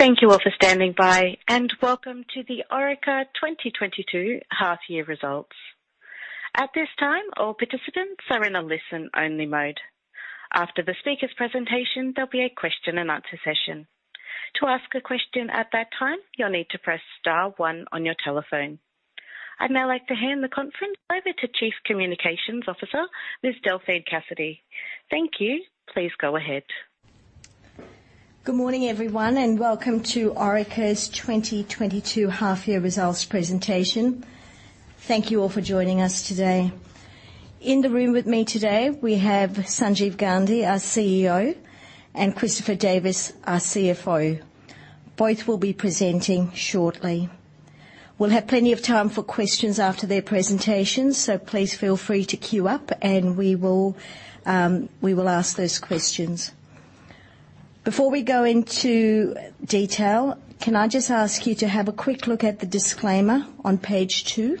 Thank you all for standing by, and welcome to the Orica 2022 half year results. At this time, all participants are in a listen-only mode. After the speaker's presentation, there'll be a question and answer session. To ask a question at that time, you'll need to press star one on your telephone. I'd now +like to hand the conference over to Chief Communications Officer, Ms. Delphine Cassidy. Thank you. Please go ahead. Good morning, everyone, and welcome to Orica's 2022 half year results presentation. Thank you all for joining us today. In the room with me today, we have Sanjeev Gandhi, our CEO, and Christopher Davis, our CFO. Both will be presenting shortly. We'll have plenty of time for questions after their presentations, so please feel free to queue up and we will ask those questions. Before we go into detail, can I just ask you to have a quick look at the disclaimer on page two?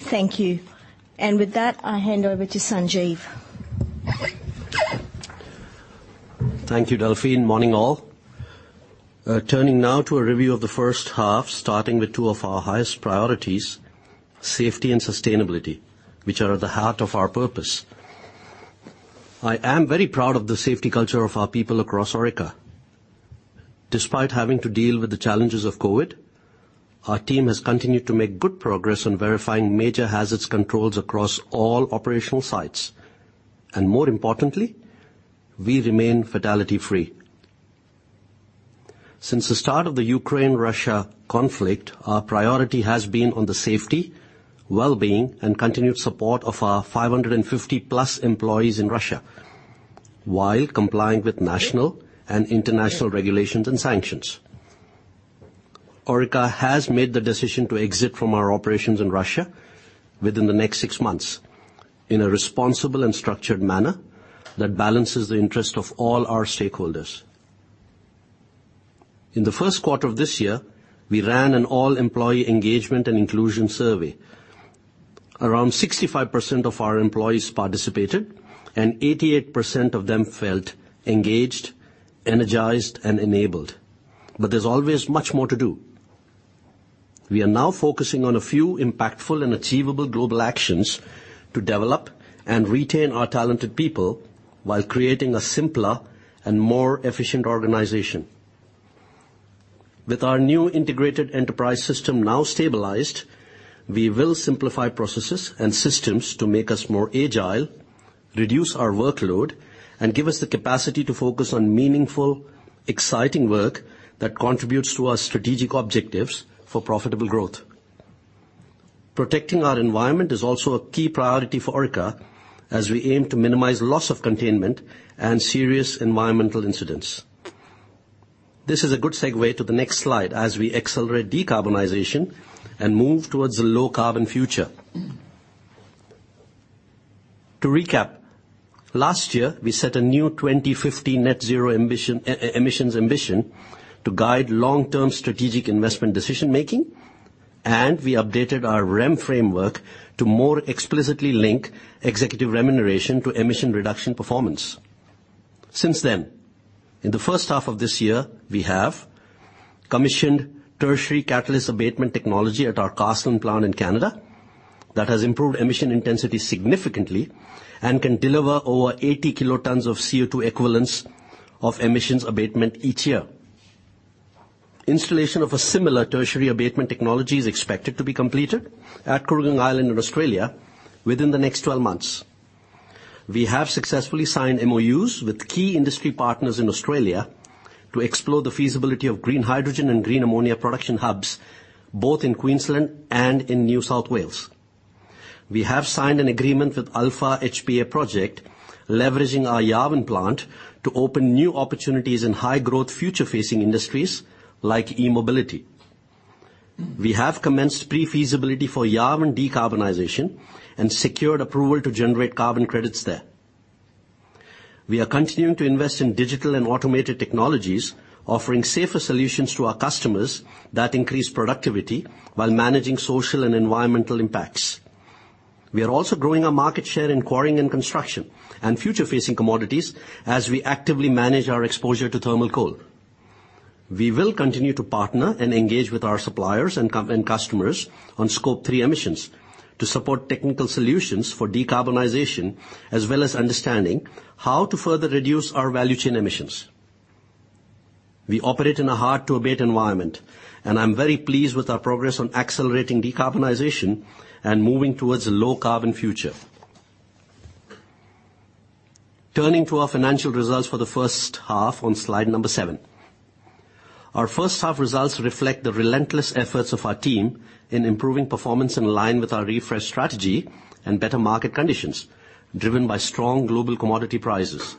Thank you. With that, I hand over to Sanjeev. Thank you, Delphine. Morning all. Turning now to a review of the H1, starting with two of our highest priorities, safety and sustainability, which are at the heart of our purpose. I am very proud of the safety culture of our people across Orica. Despite having to deal with the challenges of COVID, our team has continued to make good progress on verifying major hazards controls across all operational sites, and more importantly, we remain fatality-free. Since the start of the Ukraine-Russia conflict, our priority has been on the safety, well-being, and continued support of our 550+ employees in Russia while complying with national and international regulations and sanctions. Orica has made the decision to exit from our operations in Russia within the next six months in a responsible and structured manner that balances the interest of all our stakeholders. In the Q1 of this year, we ran an all-employee engagement and inclusion survey. Around 65% of our employees participated, and 88% of them felt engaged, energized, and enabled. There's always much more to do. We are now focusing on a few impactful and achievable global actions to develop and retain our talented people while creating a simpler and more efficient organization. With our new integrated enterprise system now stabilized, we will simplify processes and systems to make us more agile, reduce our workload, and give us the capacity to focus on meaningful, exciting work that contributes to our strategic objectives for profitable growth. Protecting our environment is also a key priority for Orica as we aim to minimize loss of containment and serious environmental incidents. This is a good segue to the next slide as we accelerate decarbonization and move towards a low carbon future. To recap, last year, we set a new 2050 net zero ambition, emissions ambition to guide long-term strategic investment decision-making, and we updated our REM framework to more explicitly link executive remuneration to emission reduction performance. Since then, in the H1 of this year, we have commissioned tertiary catalyst abatement technology at our Carseland plant in Canada that has improved emission intensity significantly and can deliver over 80 kilotons of CO₂ equivalence of emissions abatement each year. Installation of a similar tertiary abatement technology is expected to be completed at Kooragang Island in Australia within the next 12 months. We have successfully signed MOUs with key industry partners in Australia to explore the feasibility of green hydrogen and green ammonia production hubs, both in Queensland and in New South Wales. We have signed an agreement with Alpha HPA, leveraging our Yarwun plant to open new opportunities in high growth future-facing industries like e-mobility. We have commenced pre-feasibility for Yarwun decarbonization and secured approval to generate carbon credits there. We are continuing to invest in digital and automated technologies, offering safer solutions to our customers that increase productivity while managing social and environmental impacts. We are also growing our market share in quarrying and construction and future-facing commodities as we actively manage our exposure to thermal coal. We will continue to partner and engage with our suppliers and customers on Scope 3 emissions to support technical solutions for decarbonization, as well as understanding how to further reduce our value chain emissions. We operate in a hard-to-abate environment, and I'm very pleased with our progress on accelerating decarbonization and moving towards a low carbon future. Turning to our financial results for the H1 on slide seven. Our H1 results reflect the relentless efforts of our team in improving performance in line with our refreshed strategy and better market conditions driven by strong global commodity prices.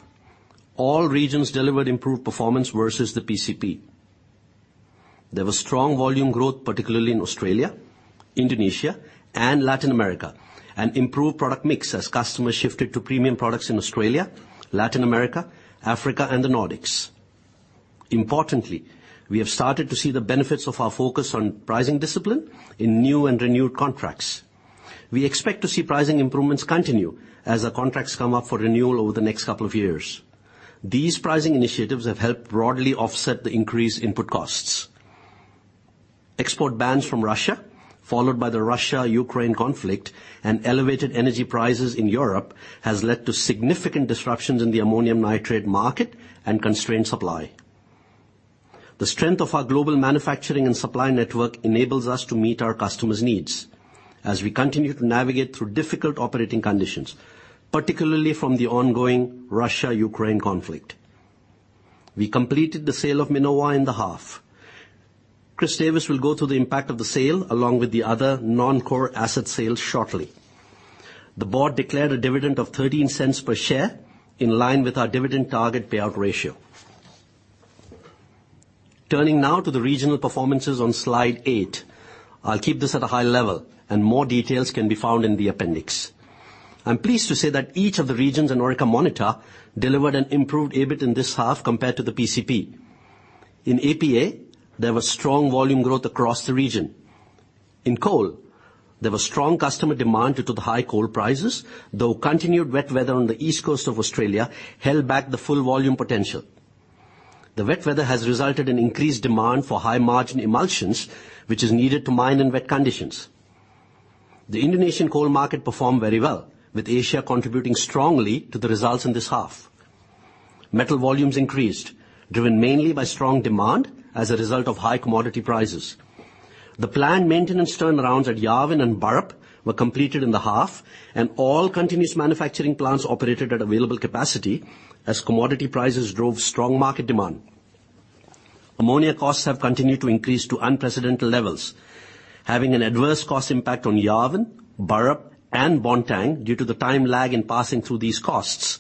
All regions delivered improved performance versus the PCP. There was strong volume growth, particularly in Australia, Indonesia, and Latin America, and improved product mix as customers shifted to premium products in Australia, Latin America, Africa, and the Nordics. Importantly, we have started to see the benefits of our focus on pricing discipline in new and renewed contracts. We expect to see pricing improvements continue as our contracts come up for renewal over the next couple of years. These pricing initiatives have helped broadly offset the increased input costs. Export bans from Russia, followed by the Russia-Ukraine conflict and elevated energy prices in Europe, has led to significant disruptions in the ammonium nitrate market and constrained supply. The strength of our global manufacturing and supply network enables us to meet our customers' needs as we continue to navigate through difficult operating conditions, particularly from the ongoing Russia-Ukraine conflict. We completed the sale of Minova in the half. Chris Davis will go through the impact of the sale, along with the other non-core asset sales shortly. The board declared a dividend of 0.13 per share, in line with our dividend target payout ratio. Turning now to the regional performances on slide eight. I'll keep this at a high level, and more details can be found in the appendix. I'm pleased to say that each of the regions in Orica Monitor delivered an improved EBIT in this half compared to the PCP. In APAC, there was strong volume growth across the region. In coal, there was strong customer demand due to the high coal prices, though continued wet weather on the east coast of Australia held back the full volume potential. The wet weather has resulted in increased demand for high-margin emulsions, which is needed to mine in wet conditions. The Indonesian coal market performed very well, with Asia contributing strongly to the results in this half. Metal volumes increased, driven mainly by strong demand as a result of high commodity prices. The planned maintenance turnarounds at Yarwun and Burrup were completed in the half, and all continuous manufacturing plants operated at available capacity as commodity prices drove strong market demand. Ammonia costs have continued to increase to unprecedented levels, having an adverse cost impact on Yarwun, Burrup, and Bontang due to the time lag in passing through these costs.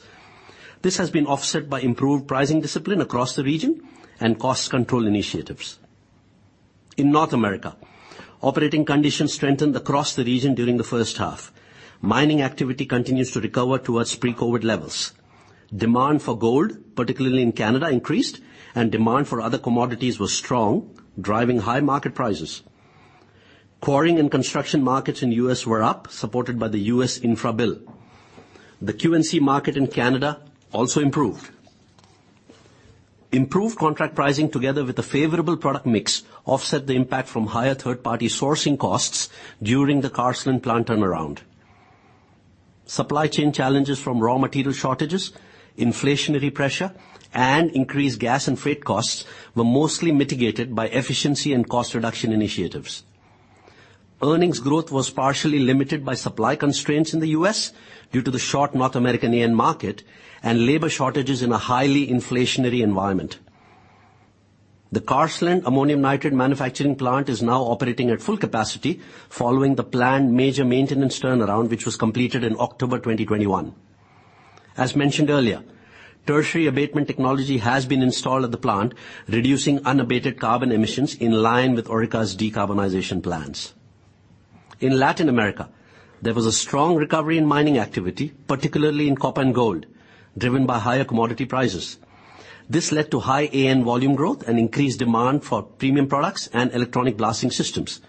This has been offset by improved pricing discipline across the region and cost control initiatives. In North America, operating conditions strengthened across the region during the H1. Mining activity continues to recover towards pre-COVID levels. Demand for gold, particularly in Canada, increased, and demand for other commodities was strong, driving high market prices. Quarrying and construction markets in the U.S. were up, supported by the US infra bill. The Q&C market in Canada also improved. Improved contract pricing, together with a favorable product mix, offset the impact from higher third-party sourcing costs during the Carseland plant turnaround. Supply chain challenges from raw material shortages, inflationary pressure, and increased gas and freight costs were mostly mitigated by efficiency and cost reduction initiatives. Earnings growth was partially limited by supply constraints in the U.S. due to the short North American AN market and labor shortages in a highly inflationary environment. The Carson ammonium nitrate manufacturing plant is now operating at full capacity following the planned major maintenance turnaround, which was completed in October 2021. As mentioned earlier, tertiary abatement technology has been installed at the plant, reducing unabated carbon emissions in line with Orica's decarbonization plans. In Latin America, there was a strong recovery in mining activity, particularly in copper and gold, driven by higher commodity prices. This led to high AN volume growth and increased demand for premium products and electronic blasting systems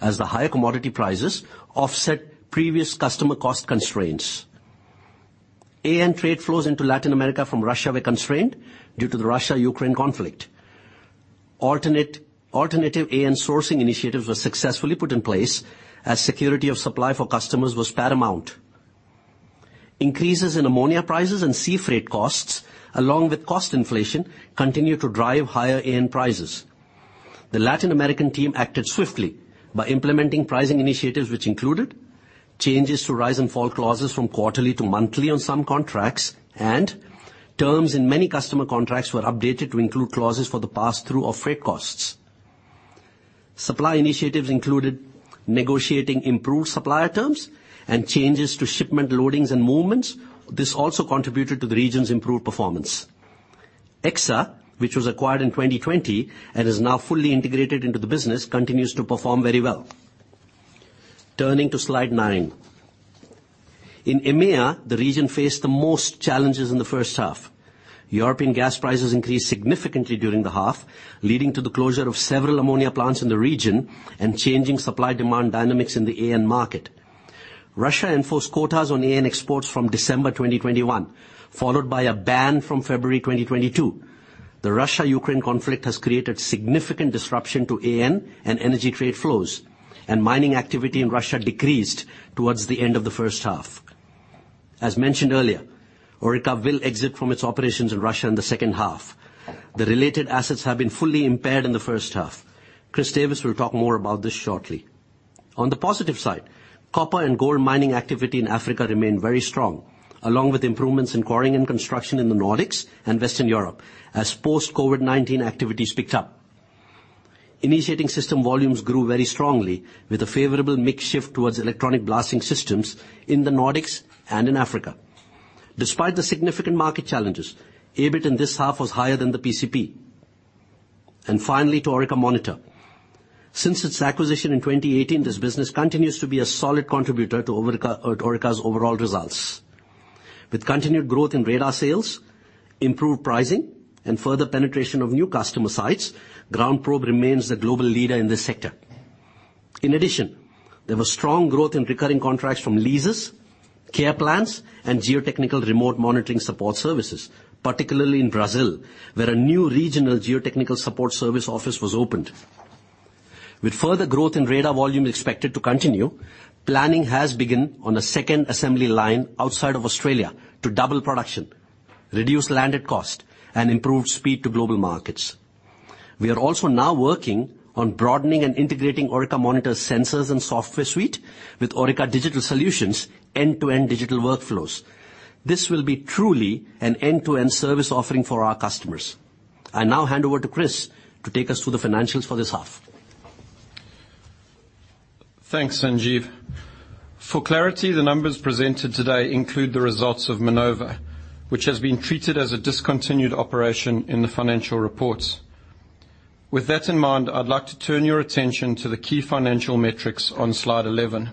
as the higher commodity prices offset previous customer cost constraints. AN trade flows into Latin America from Russia were constrained due to the Russia-Ukraine conflict. Alternative AN sourcing initiatives were successfully put in place as security of supply for customers was paramount. Increases in ammonia prices and sea freight costs, along with cost inflation, continued to drive higher AN prices. The Latin American team acted swiftly by implementing pricing initiatives, which included changes to rise-and-fall clauses from quarterly to monthly on some contracts and terms in many customer contracts were updated to include clauses for the passthrough of freight costs. Supply initiatives included negotiating improved supplier terms and changes to shipment loadings and movements. This also contributed to the region's improved performance. Exsa, which was acquired in 2020 and is now fully integrated into the business, continues to perform very well. Turning to slide nine. In EMEA, the region faced the most challenges in the H1. European gas prices increased significantly during the half, leading to the closure of several ammonia plants in the region and changing supply-demand dynamics in the AN market. Russia enforced quotas on AN exports from December 2021, followed by a ban from February 2022. The Russia-Ukraine conflict has created significant disruption to AN and energy trade flows, and mining activity in Russia decreased towards the end of the H1. As mentioned earlier, Orica will exit from its operations in Russia in the H2. The related assets have been fully impaired in the H1. Chris Davis will talk more about this shortly. On the positive side, copper and gold mining activity in Africa remained very strong, along with improvements in quarrying and construction in the Nordics and Western Europe as post-COVID-19 activities picked up. Initiating system volumes grew very strongly, with a favorable mix shift towards electronic blasting systems in the Nordics and in Africa. Despite the significant market challenges, EBIT in this half was higher than the PCP. Finally to Orica Monitor. Since its acquisition in 2018, this business continues to be a solid contributor to Orica's overall results. With continued growth in radar sales, improved pricing, and further penetration of new customer sites, GroundProbe remains the global leader in this sector. In addition, there was strong growth in recurring contracts from leases, care plans, and geotechnical remote monitoring support services, particularly in Brazil, where a new regional geotechnical support service office was opened. With further growth in radar volume expected to continue, planning has begun on a second assembly line outside of Australia to double production, reduce landed cost, and improve speed to global markets. We are also now working on broadening and integrating Orica Monitor's sensors and software suite with Orica Digital Solutions' end-to-end digital workflows. This will be truly an end-to-end service offering for our customers. I now hand over to Chris to take us through the financials for this half. Thanks, Sanjeev. For clarity, the numbers presented today include the results of Minova, which has been treated as a discontinued operation in the financial reports. With that in mind, I'd like to turn your attention to the key financial metrics on slide 11.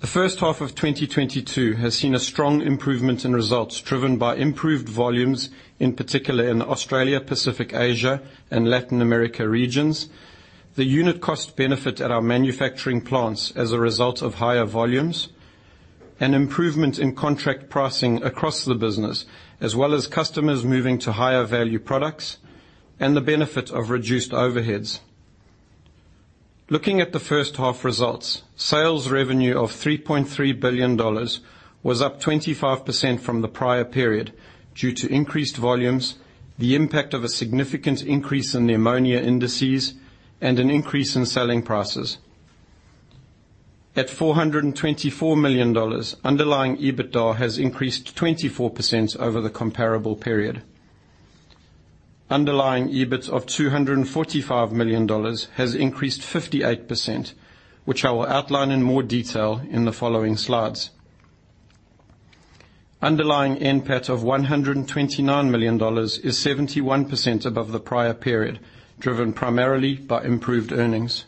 The H1 of 2022 has seen a strong improvement in results driven by improved volumes, in particular in Australia, Pacific Asia, and Latin America regions, the unit cost benefit at our manufacturing plants as a result of higher volumes, and improvement in contract pricing across the business, as well as customers moving to higher value products, and the benefit of reduced overheads. Looking at the H1 results, sales revenue of 3.3 billion dollars was up 25% from the prior period due to increased volumes, the impact of a significant increase in the ammonia indices, and an increase in selling prices. At 424 million dollars, underlying EBITDA has increased 24% over the comparable period. Underlying EBIT of AUD 245 million has increased 58%, which I will outline in more detail in the following slides. Underlying NPAT of 129 million dollars is 71% above the prior period, driven primarily by improved earnings.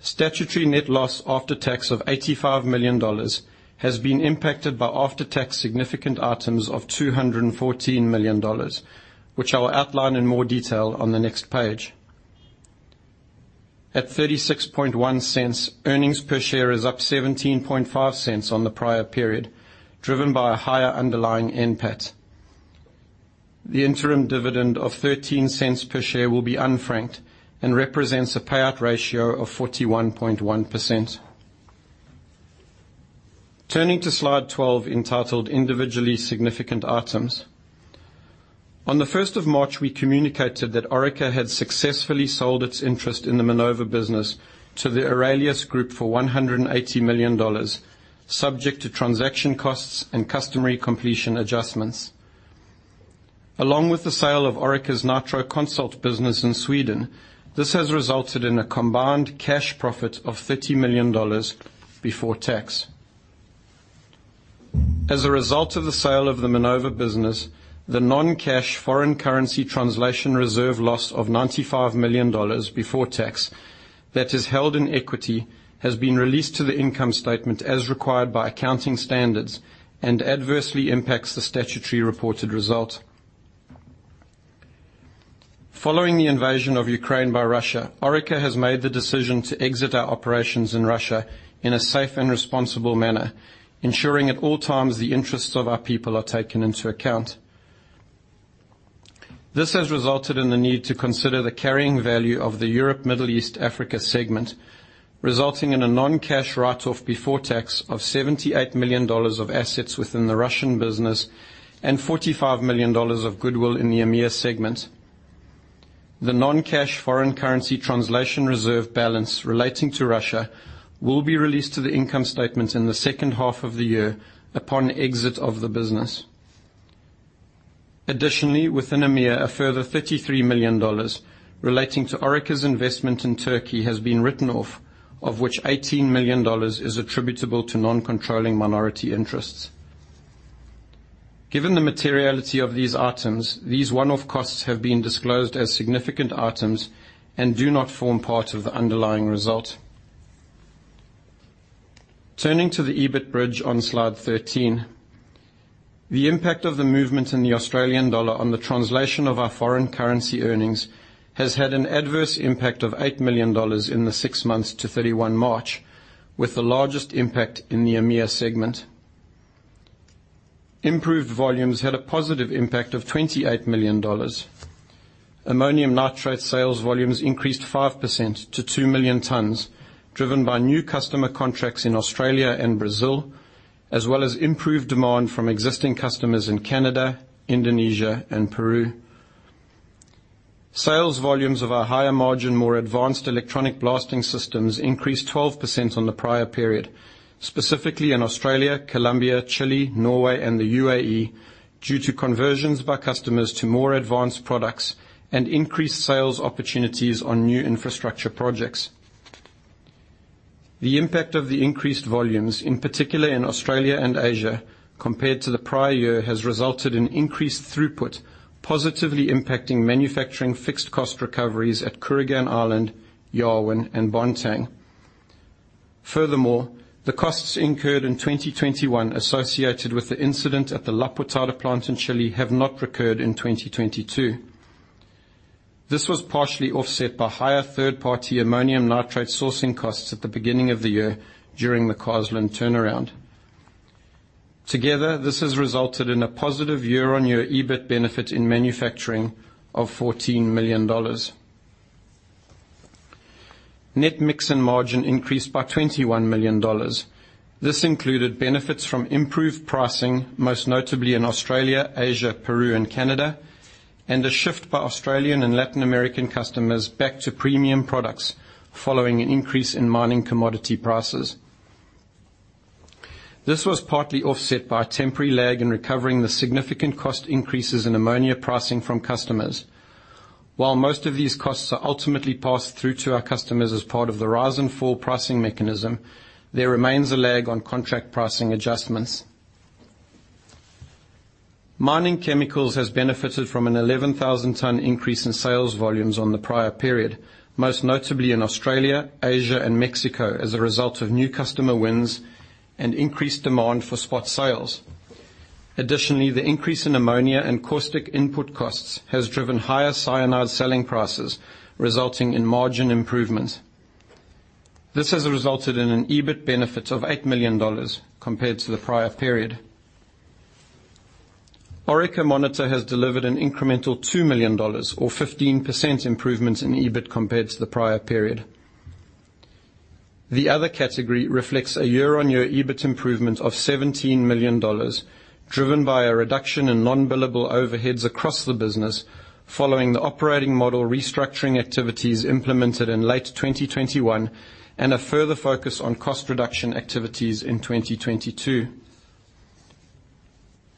Statutory net loss after tax of 85 million dollars has been impacted by after-tax significant items of 214 million dollars, which I will outline in more detail on the next page. At 0.361, earnings per share is up 0.175 on the prior period, driven by a higher underlying NPAT. The interim dividend of 0.13 per share will be unfranked and represents a payout ratio of 41.1%. Turning to slide 12, entitled Individually Significant Items. On the first of March, we communicated that Orica had successfully sold its interest in the Minova business to the Aurelius Group for 180 million dollars, subject to transaction costs and customary completion adjustments. Along with the sale of Orica's Nitro Consult business in Sweden, this has resulted in a combined cash profit of 30 million dollars before tax. As a result of the sale of the Minova business, the non-cash foreign currency translation reserve loss of 95 million dollars before tax that is held in equity has been released to the income statement as required by accounting standards and adversely impacts the statutory reported result. Following the invasion of Ukraine by Russia, Orica has made the decision to exit our operations in Russia in a safe and responsible manner, ensuring at all times the interests of our people are taken into account. This has resulted in the need to consider the carrying value of the Europe, Middle East, Africa segment, resulting in a non-cash write-off before tax of 78 million dollars of assets within the Russian business and 45 million dollars of goodwill in the EMEA segment. The non-cash foreign currency translation reserve balance relating to Russia will be released to the income statement in the H2 of the year upon exit of the business. Additionally, within EMEA, a further 33 million dollars relating to Orica's investment in Turkey has been written off, of which 18 million dollars is attributable to non-controlling minority interests. Given the materiality of these items, these one-off costs have been disclosed as significant items and do not form part of the underlying result. Turning to the EBIT bridge on slide 13. The impact of the movement in the Australian dollar on the translation of our foreign currency earnings has had an adverse impact of 8 million dollars in the six months to 31 March, with the largest impact in the EMEA segment. Improved volumes had a positive impact of AUD 28 million. Ammonium nitrate sales volumes increased 5% to 2 million tons, driven by new customer contracts in Australia and Brazil, as well as improved demand from existing customers in Canada, Indonesia, and Peru. Sales volumes of our higher margin, more advanced Electronic Blasting Systems increased 12% on the prior period, specifically in Australia, Colombia, Chile, Norway, and the UAE, due to conversions by customers to more advanced products and increased sales opportunities on new infrastructure projects. The impact of the increased volumes, in particular in Australia and Asia, compared to the prior year, has resulted in increased throughput, positively impacting manufacturing fixed cost recoveries at Kooragang Island, Yarwun, and Bontang. Furthermore, the costs incurred in 2021 associated with the incident at the La Portada plant in Chile have not recurred in 2022. This was partially offset by higher third-party ammonium nitrate sourcing costs at the beginning of the year during the Carseland turnaround. Together, this has resulted in a positive year-on-year EBIT benefit in manufacturing of 14 million dollars. Net mix and margin increased by 21 million dollars. This included benefits from improved pricing, most notably in Australia, Asia, Peru and Canada, and a shift by Australian and Latin American customers back to premium products following an increase in mining commodity prices. This was partly offset by a temporary lag in recovering the significant cost increases in ammonia pricing from customers. While most of these costs are ultimately passed through to our customers as part of the rise and fall pricing mechanism, there remains a lag on contract pricing adjustments. Mining chemicals has benefited from an 11,000 ton increase in sales volumes on the prior period, most notably in Australia, Asia and Mexico as a result of new customer wins and increased demand for spot sales. Additionally, the increase in ammonia and caustic input costs has driven higher cyanide selling prices, resulting in margin improvements. This has resulted in an EBIT benefit of 8 million dollars compared to the prior period. Orica Monitor has delivered an incremental 2 million dollars or 15% improvement in EBIT compared to the prior period. The other category reflects a year-on-year EBIT improvement of 17 million dollars, driven by a reduction in non-billable overheads across the business following the operating model restructuring activities implemented in late 2021 and a further focus on cost reduction activities in 2022.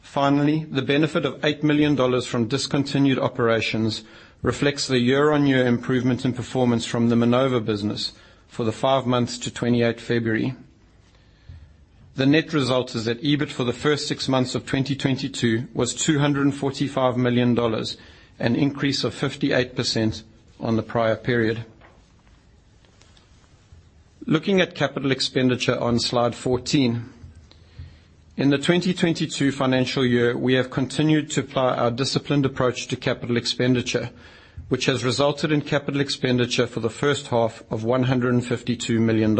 Finally, the benefit of 8 million dollars from discontinued operations reflects the year-on-year improvement in performance from the Minova business for the five months to 28 February. The net result is that EBIT for the first six months of 2022 was 245 million dollars, an increase of 58% on the prior period. Looking at capital expenditure on slide 14. In the 2022 financial year, we have continued to apply our disciplined approach to capital expenditure, which has resulted in capital expenditure for the H1 of AUD 152 million.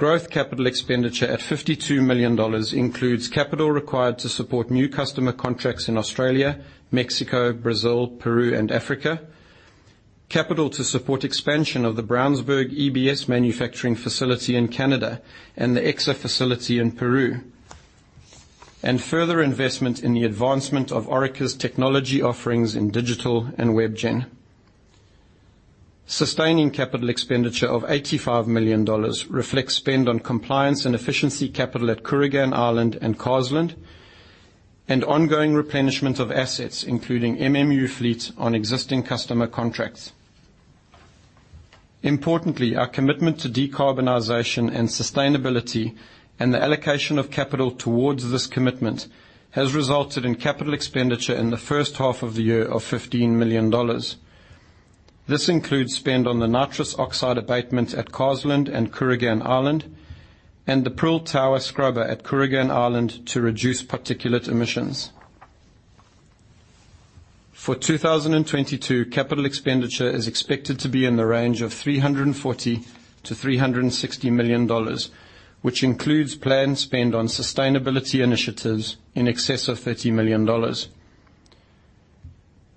Growth capital expenditure at AUD 52 million includes capital required to support new customer contracts in Australia, Mexico, Brazil, Peru and Africa. Capital to support expansion of the Brownsburg EBS manufacturing facility in Canada and the Exsa facility in Peru. Further investment in the advancement of Orica's technology offerings in digital and WebGen. Sustaining capital expenditure of 85 million dollars reflects spend on compliance and efficiency capital at Kooragang Island and Carseland, and ongoing replenishment of assets including MMU fleet on existing customer contracts. Importantly, our commitment to decarbonization and sustainability and the allocation of capital towards this commitment has resulted in capital expenditure in the H1 of the year of 15 million dollars. This includes spend on the nitrous oxide abatement at Carseland and Kooragang Island and the prill tower scrubber at Kooragang Island to reduce particulate emissions. For 2022, capital expenditure is expected to be in the range of AUD 340 million-AUD 360 million, which includes planned spend on sustainability initiatives in excess of AUD 30 million.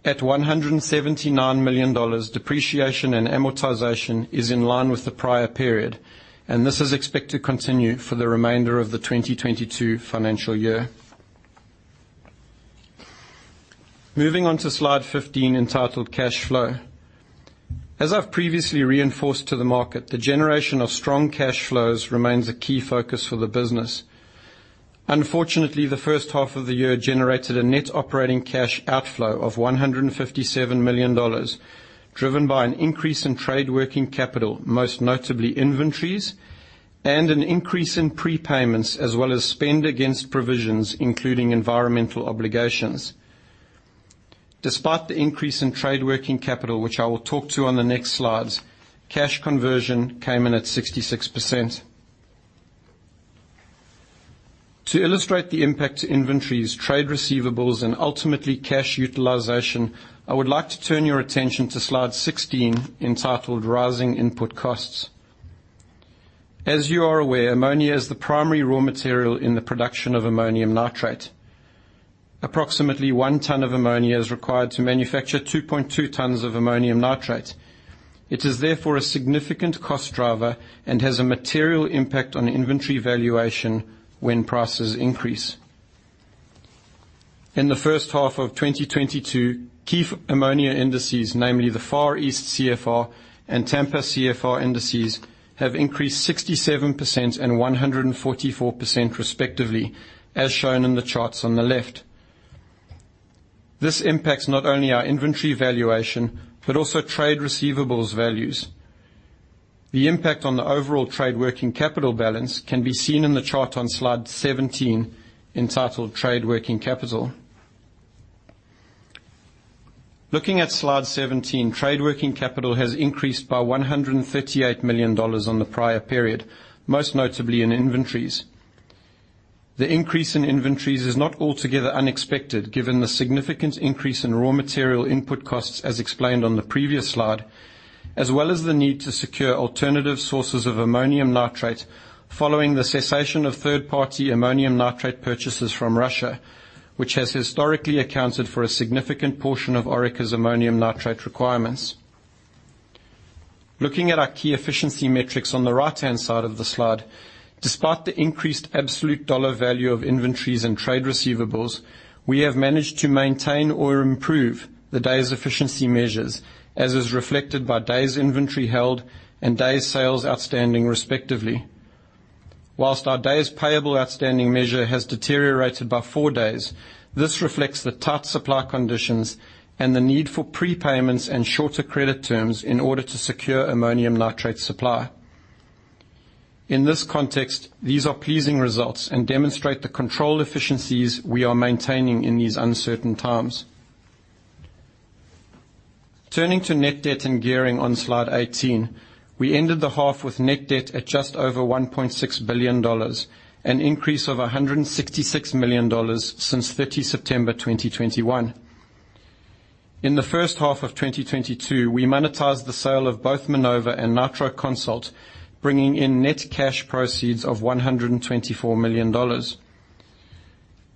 At AUD 179 million, depreciation and amortization is in line with the prior period, and this is expected to continue for the remainder of the 2022 financial year. Moving on to slide 15 entitled Cash Flow. As I've previously reinforced to the market, the generation of strong cash flows remains a key focus for the business. Unfortunately, the H1 of the year generated a net operating cash outflow of 157 million dollars, driven by an increase in trade working capital, most notably inventories and an increase in prepayments as well as spend against provisions, including environmental obligations. Despite the increase in trade working capital, which I will talk to on the next slides, cash conversion came in at 66%. To illustrate the impact to inventories, trade receivables and ultimately cash utilization, I would like to turn your attention to slide 16 entitled Rising Input Costs. As you are aware, ammonia is the primary raw material in the production of ammonium nitrate. Approximately 1 ton of ammonia is required to manufacture 2.2 tons of ammonium nitrate. It is therefore a significant cost driver and has a material impact on inventory valuation when prices increase. In the H1 of 2022, key ammonia indices, namely the Far East CFR and Tampa CFR indices, have increased 67% and 144% respectively, as shown in the charts on the left. This impacts not only our inventory valuation, but also trade receivables values. The impact on the overall trade working capital balance can be seen in the chart on slide 17 entitled Trade Working Capital. Looking at slide 17, trade working capital has increased by 138 million dollars on the prior period, most notably in inventories. The increase in inventories is not altogether unexpected given the significant increase in raw material input costs as explained on the previous slide, as well as the need to secure alternative sources of ammonium nitrate following the cessation of third-party ammonium nitrate purchases from Russia, which has historically accounted for a significant portion of Orica's ammonium nitrate requirements. Looking at our key efficiency metrics on the right-hand side of the slide, despite the increased absolute dollar value of inventories and trade receivables, we have managed to maintain or improve the day's efficiency measures, as is reflected by days inventory held and days sales outstanding respectively. While our days payable outstanding measure has deteriorated by 4 days, this reflects the tight supply conditions and the need for prepayments and shorter credit terms in order to secure ammonium nitrate supply. In this context, these are pleasing results and demonstrate the control efficiencies we are maintaining in these uncertain times. Turning to net debt and gearing on slide 18, we ended the half with net debt at just over 1.6 billion dollars, an increase of 166 million dollars since 30 September 2021. In the H1 of 2022, we monetized the sale of both Minova and Nitro Consult, bringing in net cash proceeds of 124 million dollars.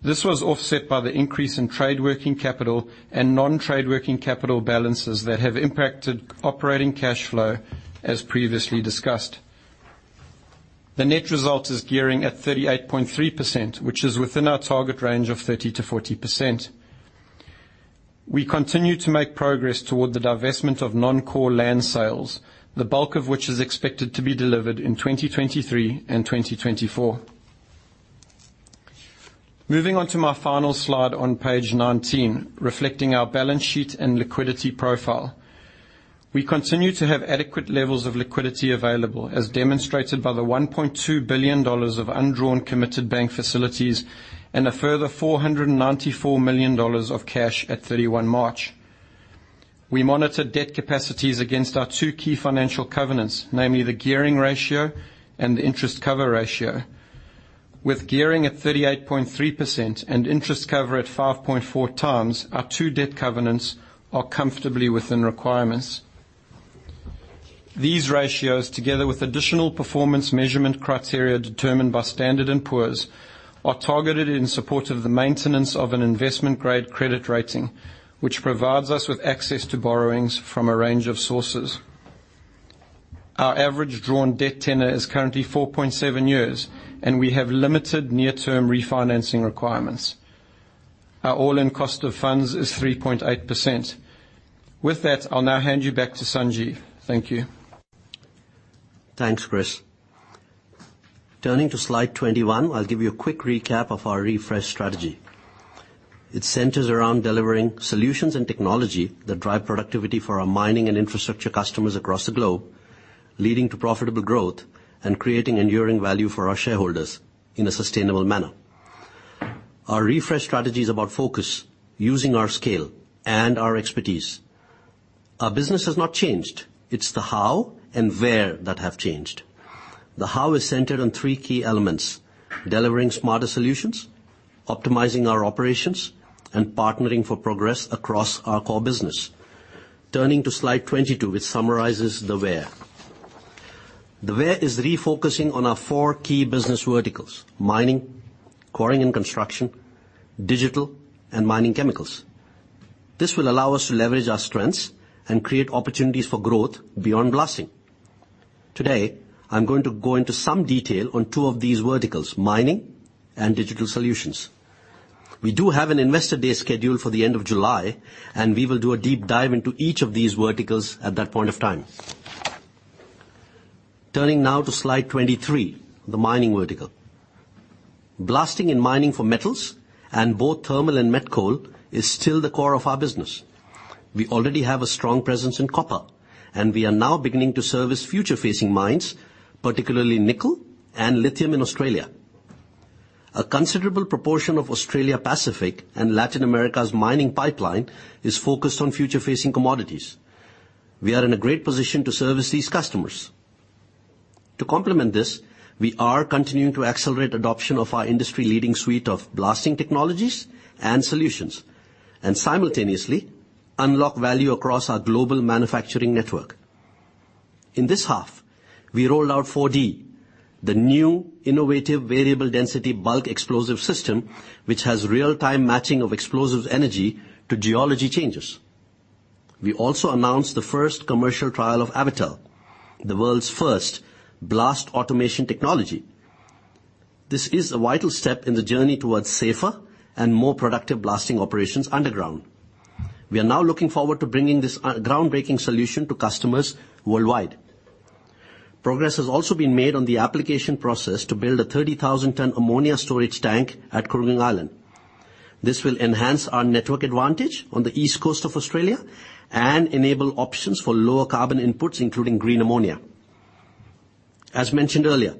This was offset by the increase in trade working capital and non-trade working capital balances that have impacted operating cash flow as previously discussed. The net result is gearing at 38.3%, which is within our target range of 30%-40%. We continue to make progress toward the divestment of non-core land sales, the bulk of which is expected to be delivered in 2023 and 2024. Moving on to my final slide on page 19, reflecting our balance sheet and liquidity profile. We continue to have adequate levels of liquidity available, as demonstrated by the 1.2 billion dollars of undrawn committed bank facilities and a further 494 million dollars of cash at 31 March. We monitor debt capacities against our two key financial covenants, namely the gearing ratio and the interest cover ratio. With gearing at 38.3% and interest cover at 5.4 times, our two debt covenants are comfortably within requirements. These ratios, together with additional performance measurement criteria determined by Standard and Poor's, are targeted in support of the maintenance of an investment-grade credit rating, which provides us with access to borrowings from a range of sources. Our average drawn debt tenor is currently 4.7 years, and we have limited near-term refinancing requirements. Our all-in cost of funds is 3.8%. With that, I'll now hand you back to Sanjeev. Thank you. Thanks, Chris. Turning to slide 21, I'll give you a quick recap of our Refresh strategy. It centers around delivering solutions and technology that drive productivity for our mining and infrastructure customers across the globe, leading to profitable growth and creating enduring value for our shareholders in a sustainable manner. Our Refresh strategy is about focus, using our scale and our expertise. Our business has not changed. It's the how and where that have changed. The how is centered on three key elements: delivering smarter solutions, optimizing our operations, and partnering for progress across our core business. Turning to slide 22, which summarizes the where. The where is refocusing on our four key business verticals: mining, quarrying and construction, digital, and mining chemicals. This will allow us to leverage our strengths and create opportunities for growth beyond blasting. Today, I'm going to go into some detail on two of these verticals, mining and digital solutions. We do have an investor day scheduled for the end of July, and we will do a deep dive into each of these verticals at that point of time. Turning now to slide 23, the mining vertical. Blasting and mining for metals and both thermal and met coal is still the core of our business. We already have a strong presence in copper, and we are now beginning to service future-facing mines, particularly nickel and lithium in Australia. A considerable proportion of Australia, Pacific, and Latin America's mining pipeline is focused on future-facing commodities. We are in a great position to service these customers. To complement this, we are continuing to accelerate adoption of our industry-leading suite of blasting technologies and solutions, and simultaneously unlock value across our global manufacturing network. In this half, we rolled out 4D, the new innovative variable density bulk explosive system, which has real-time matching of explosives energy to geology changes. We also announced the first commercial trial of Avatel, the world's first blast automation technology. This is a vital step in the journey towards safer and more productive blasting operations underground. We are now looking forward to bringing this groundbreaking solution to customers worldwide. Progress has also been made on the application process to build a 30,000-ton ammonia storage tank at Kooragang Island. This will enhance our network advantage on the East Coast of Australia and enable options for lower carbon inputs, including green ammonia. As mentioned earlier,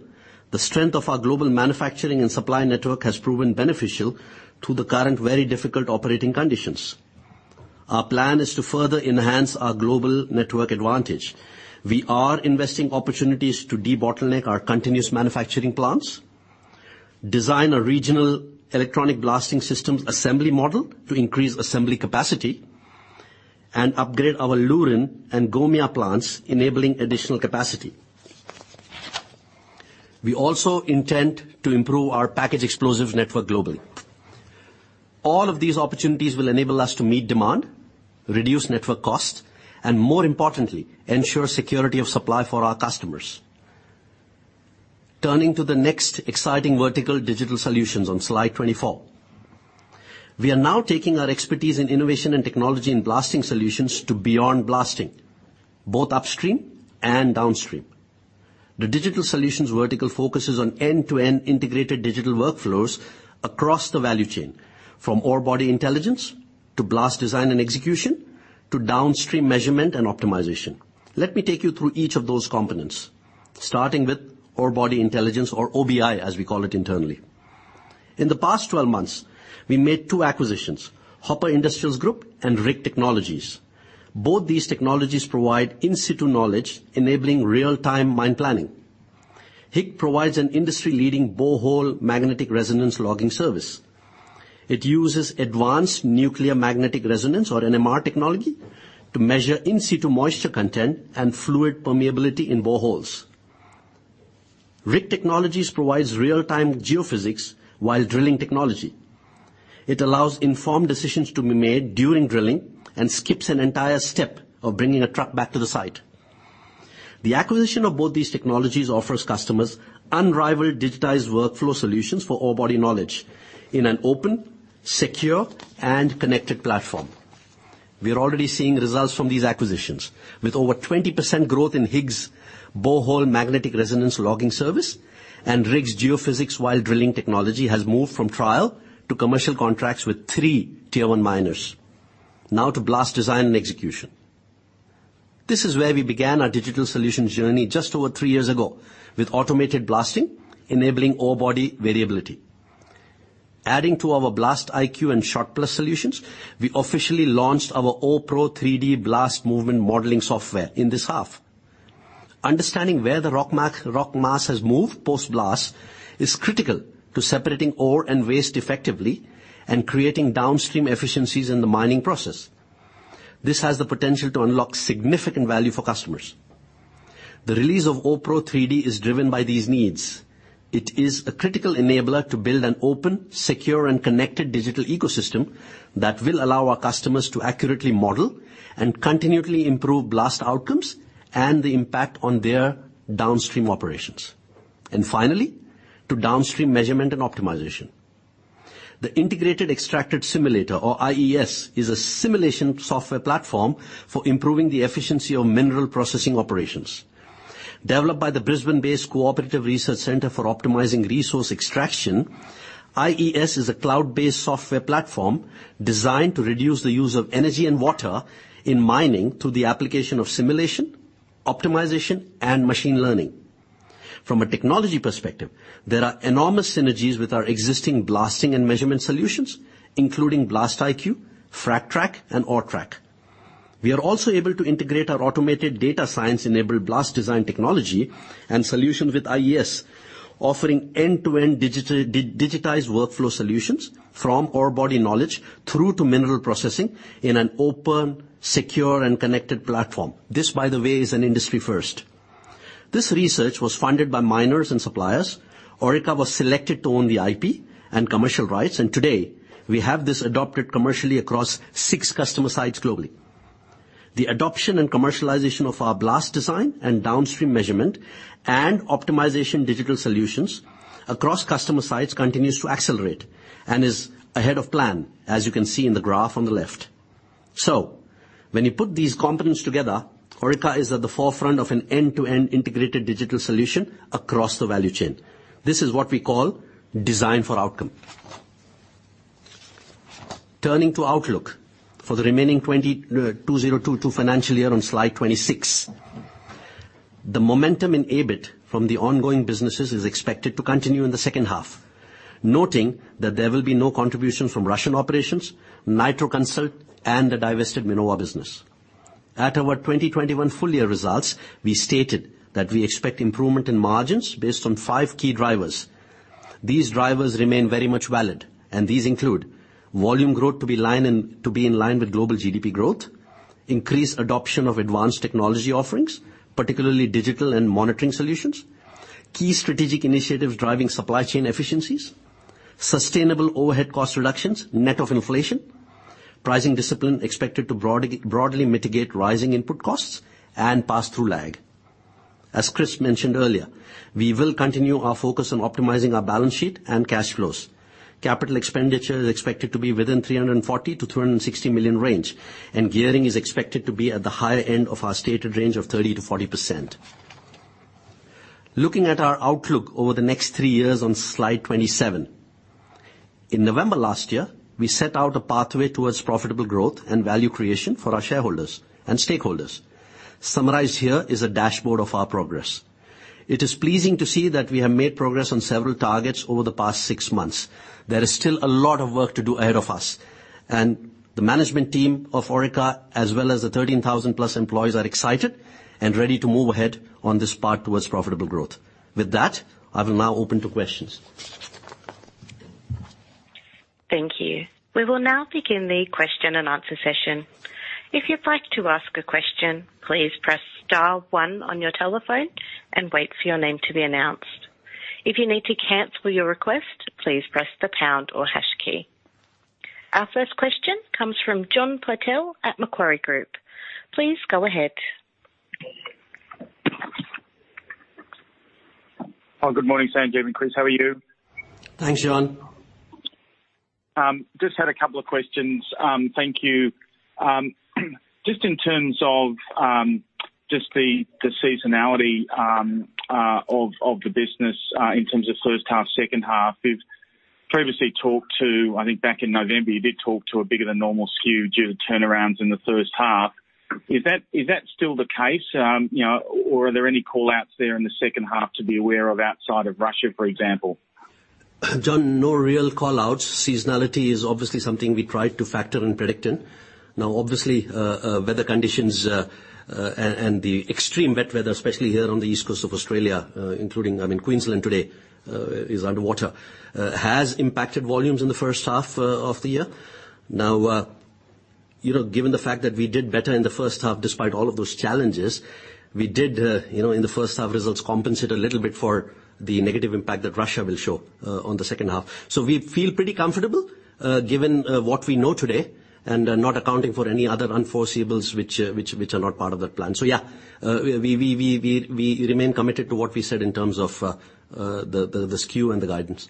the strength of our global manufacturing and supply network has proven beneficial through the current very difficult operating conditions. Our plan is to further enhance our global network advantage. We are investing opportunities to debottleneck our continuous manufacturing plants, design a regional Electronic Blasting Systems assembly model to increase assembly capacity, and upgrade our Lorena and Gomia plants, enabling additional capacity. We also intend to improve our packaged explosives network globally. All of these opportunities will enable us to meet demand, reduce network costs, and more importantly, ensure security of supply for our customers. Turning to the next exciting vertical, Digital Solutions on slide 24. We are now taking our expertise in innovation and technology in blasting solutions to beyond blasting, both upstream and downstream. The Digital Solutions vertical focuses on end-to-end integrated digital workflows across the value chain, from ore body intelligence to blast design and execution to downstream measurement and optimization. Let me take you through each of those components, starting with ore body intelligence or OBI, as we call it internally. In the past twelve months, we made two acquisitions, Hopper Industrial Group and RIG Technologies. Both these technologies provide in situ knowledge, enabling real-time mine planning. HIG provides an industry-leading borehole magnetic resonance logging service. It uses advanced nuclear magnetic resonance or NMR technology to measure in situ moisture content and fluid permeability in boreholes. RIG Technologies provides real-time geophysics while drilling technology. It allows informed decisions to be made during drilling and skips an entire step of bringing a truck back to the site. The acquisition of both these technologies offers customers unrivaled digitized workflow solutions for ore body knowledge in an open, secure, and connected platform. We are already seeing results from these acquisitions. With over 20% growth in HIG's borehole magnetic resonance logging service and RIG's geophysics while drilling technology has moved from trial to commercial contracts with three tier one miners. Now to blast design and execution. This is where we began our digital solutions journey just over three years ago with automated blasting, enabling ore body variability. Adding to our BlastIQ and SHOTPlus solutions, we officially launched our OREPro 3D blast movement modeling software in this half. Understanding where the rock mass has moved post-blast is critical to separating ore and waste effectively and creating downstream efficiencies in the mining process. This has the potential to unlock significant value for customers. The release of OREPro 3D is driven by these needs. It is a critical enabler to build an open, secure, and connected digital ecosystem that will allow our customers to accurately model and continually improve blast outcomes and the impact on their downstream operations. Finally, to downstream measurement and optimization. The Integrated Extraction Simulator, or IES, is a simulation software platform for improving the efficiency of mineral processing operations. Developed by the Brisbane-based Cooperative Research Center for Optimizing Resource Extraction, IES is a cloud-based software platform designed to reduce the use of energy and water in mining through the application of simulation, optimization, and machine learning. From a technology perspective, there are enormous synergies with our existing blasting and measurement solutions, including BlastIQ, FRAGTrack, and ORETrack. We are also able to integrate our automated data science-enabled blast design technology and solutions with IES, offering end-to-end digitized workflow solutions from ore body knowledge through to mineral processing in an open, secure, and connected platform. This, by the way, is an industry first. This research was funded by miners and suppliers. Orica was selected to own the IP and commercial rights, and today we have this adopted commercially across six customer sites globally. The adoption and commercialization of our blast design and downstream measurement and optimization digital solutions across customer sites continues to accelerate and is ahead of plan, as you can see in the graph on the left. When you put these components together, Orica is at the forefront of an end-to-end integrated digital solution across the value chain. This is what we call design for outcome. Turning to outlook for the remaining 2022 financial year on slide 26. The momentum in EBIT from the ongoing businesses is expected to continue in the H2, noting that there will be no contribution from Russian operations, Nitro Consult, and the divested Minova business. At our 2021 full year results, we stated that we expect improvement in margins based on five key drivers. These drivers remain very much valid. These include volume growth to be in line with global GDP growth, increased adoption of advanced technology offerings, particularly digital and monitoring solutions, key strategic initiatives driving supply chain efficiencies, sustainable overhead cost reductions, net of inflation, pricing discipline expected to broadly mitigate rising input costs, and pass-through lag. As Chris mentioned earlier, we will continue our focus on optimizing our balance sheet and cash flows. Capital expenditure is expected to be within 340 million-360 million range, and gearing is expected to be at the higher end of our stated range of 30%-40%. Looking at our outlook over the next three years on slide 27. In November last year, we set out a pathway towards profitable growth and value creation for our shareholders and stakeholders. Summarized here is a dashboard of our progress. It is pleasing to see that we have made progress on several targets over the past six months. There is still a lot of work to do ahead of us, and the management team of Orica, as well as the 13,000+ employees are excited and ready to move ahead on this path towards profitable growth. With that, I will now open to questions. Thank you. We will now begin the question and answer session. If you'd like to ask a question, please press star one on your telephone and wait for your name to be announced. If you need to cancel your request, please press the pound or hash key. Our first question comes from John Purtell at Macquarie Group. Please go ahead. Oh, good morning, Sanjeev and Chris, how are you? Thanks, John. Just had a couple of questions. Thank you. Just in terms of the seasonality of the business in terms of H1, H2. You've previously talked to I think back in November, you did talk to a bigger than normal skew due to turnarounds in the H1. Is that still the case? You know, or are there any call-outs there in the H2 to be aware of outside of Russia, for example? John, no real call-outs. Seasonality is obviously something we try to factor and predict in. Now, obviously, weather conditions and the extreme wet weather, especially here on the East Coast of Australia, including, I mean, Queensland today, is underwater, has impacted volumes in the H1 of the year. Now, you know, given the fact that we did better in the H1 despite all of those challenges, you know, in the H1 results compensate a little bit for the negative impact that Russia will show on the H2. We feel pretty comfortable, given what we know today and not accounting for any other unforeseeables which are not part of that plan. Yeah, we remain committed to what we said in terms of the SKU and the guidance.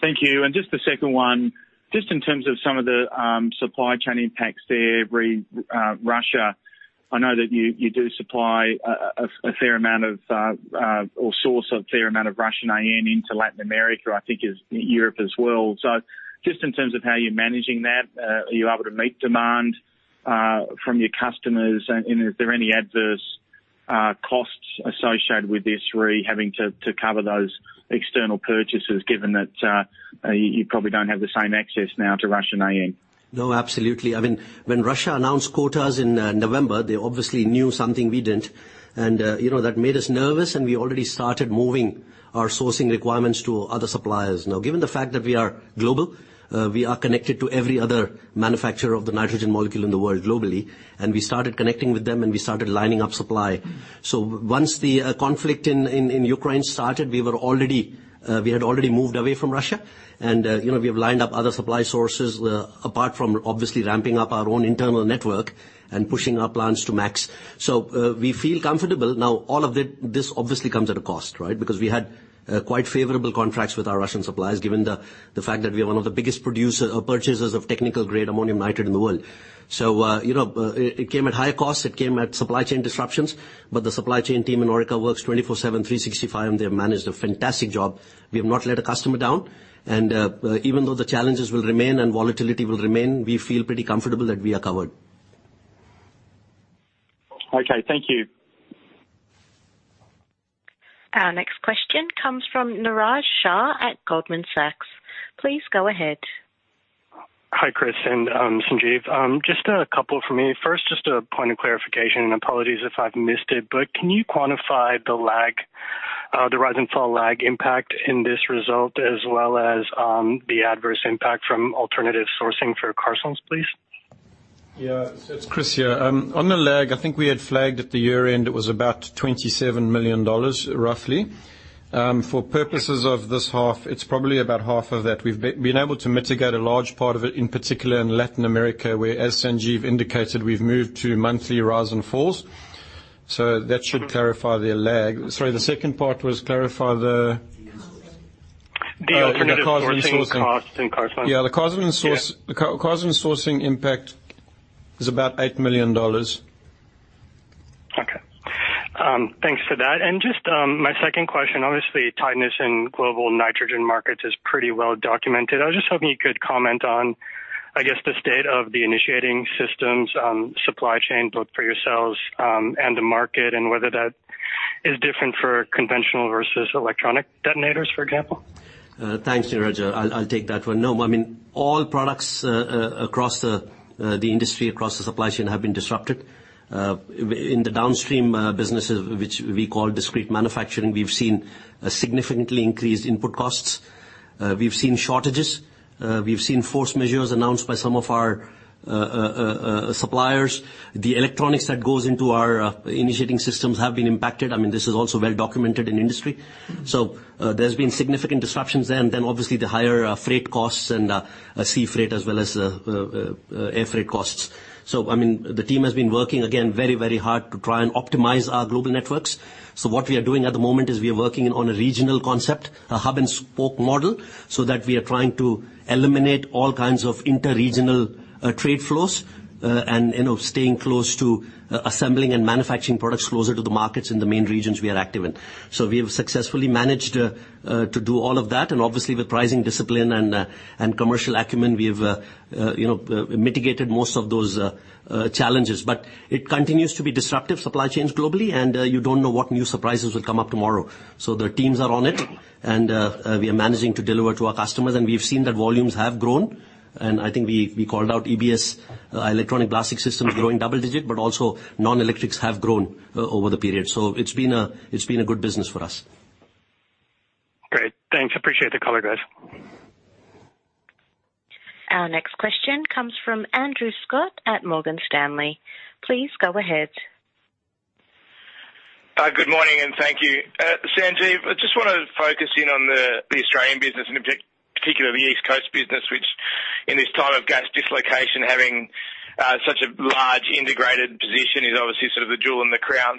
Thank you. Just the second one, just in terms of some of the supply chain impacts there, Russia. I know that you do supply or source a fair amount of Russian AN into Latin America. I think it's Europe as well. Just in terms of how you're managing that, are you able to meet demand from your customers? Is there any adverse costs associated with this having to cover those external purchases given that you probably don't have the same access now to Russian AN? No, absolutely. I mean, when Russia announced quotas in November, they obviously knew something we didn't. You know, that made us nervous, and we already started moving our sourcing requirements to other suppliers. Now, given the fact that we are global, we are connected to every other manufacturer of the nitrogen molecule in the world globally, and we started connecting with them and we started lining up supply. Once the conflict in Ukraine started, we were already, we had already moved away from Russia. You know, we have lined up other supply sources, apart from obviously ramping up our own internal network and pushing our plants to max. We feel comfortable. Now, all of this obviously comes at a cost, right? Because we had quite favorable contracts with our Russian suppliers, given the fact that we are one of the biggest producer or purchasers of technical grade ammonium nitrate in the world. It came at high costs, it came at supply chain disruptions, but the supply chain team in Orica works 24/7, 365, and they have managed a fantastic job. We have not let a customer down, and even though the challenges will remain and volatility will remain, we feel pretty comfortable that we are covered. Okay, thank you. Our next question comes from Niraj Shah at Goldman Sachs. Please go ahead. Hi, Chris and Sanjeev. Just a couple from me. First, just a point of clarification, and apologies if I've missed it, but can you quantify the lag, the rise and fall lag impact in this result, as well as, the adverse impact from alternative sourcing for Carseland, please? Yeah. It's Chris here. On the lag, I think we had flagged at the year-end it was about 27 million dollars roughly. For purposes of this half, it's probably about half of that. We've been able to mitigate a large part of it, in particular in Latin America, where, as Sanjeev indicated, we've moved to monthly rise and falls. That should clarify the lag. Sorry, the second part was clarify the. Carseland. The alternative sourcing cost in Carseland. Yeah, the Carseland sourcing impact is about AUD 8 million. Okay. Thanks for that. Just my second question, obviously, tightness in global nitrogen markets is pretty well documented. I was just hoping you could comment on, I guess, the state of the initiating systems supply chain, both for yourselves and the market, and whether that is different for conventional versus electronic detonators, for example. Thanks, Niraj. I'll take that one. No, I mean, all products across the industry, across the supply chain have been disrupted. In the downstream businesses, which we call discrete manufacturing, we've seen a significantly increased input costs. We've seen shortages. We've seen force majeure announced by some of our suppliers. The electronics that goes into our initiating systems have been impacted. I mean, this is also well documented in industry. There's been significant disruptions there. Obviously the higher freight costs and sea freight as well as air freight costs. I mean, the team has been working again very, very hard to try and optimize our global networks. What we are doing at the moment is we are working on a regional concept, a hub and spoke model, so that we are trying to eliminate all kinds of interregional trade flows, and, you know, staying close to assembling and manufacturing products closer to the markets in the main regions we are active in. We have successfully managed to do all of that, and obviously with pricing discipline and commercial acumen, we have, you know, mitigated most of those challenges. It continues to be disruptive, supply chains globally, and you don't know what new surprises will come up tomorrow. The teams are on it, and we are managing to deliver to our customers, and we've seen that volumes have grown. I think we called out EBS, Electronic Blasting Systems growing double-digit, but also non-electrics have grown over the period. It's been a good business for us. Great. Thanks. Appreciate the color, guys. Our next question comes from Andrew Scott at Morgan Stanley. Please go ahead. Good morning, and thank you. Sanjeev, I just wanna focus in on the Australian business and particularly the East Coast business, which in this time of gas dislocation, having such a large integrated position is obviously sort of the jewel in the crown.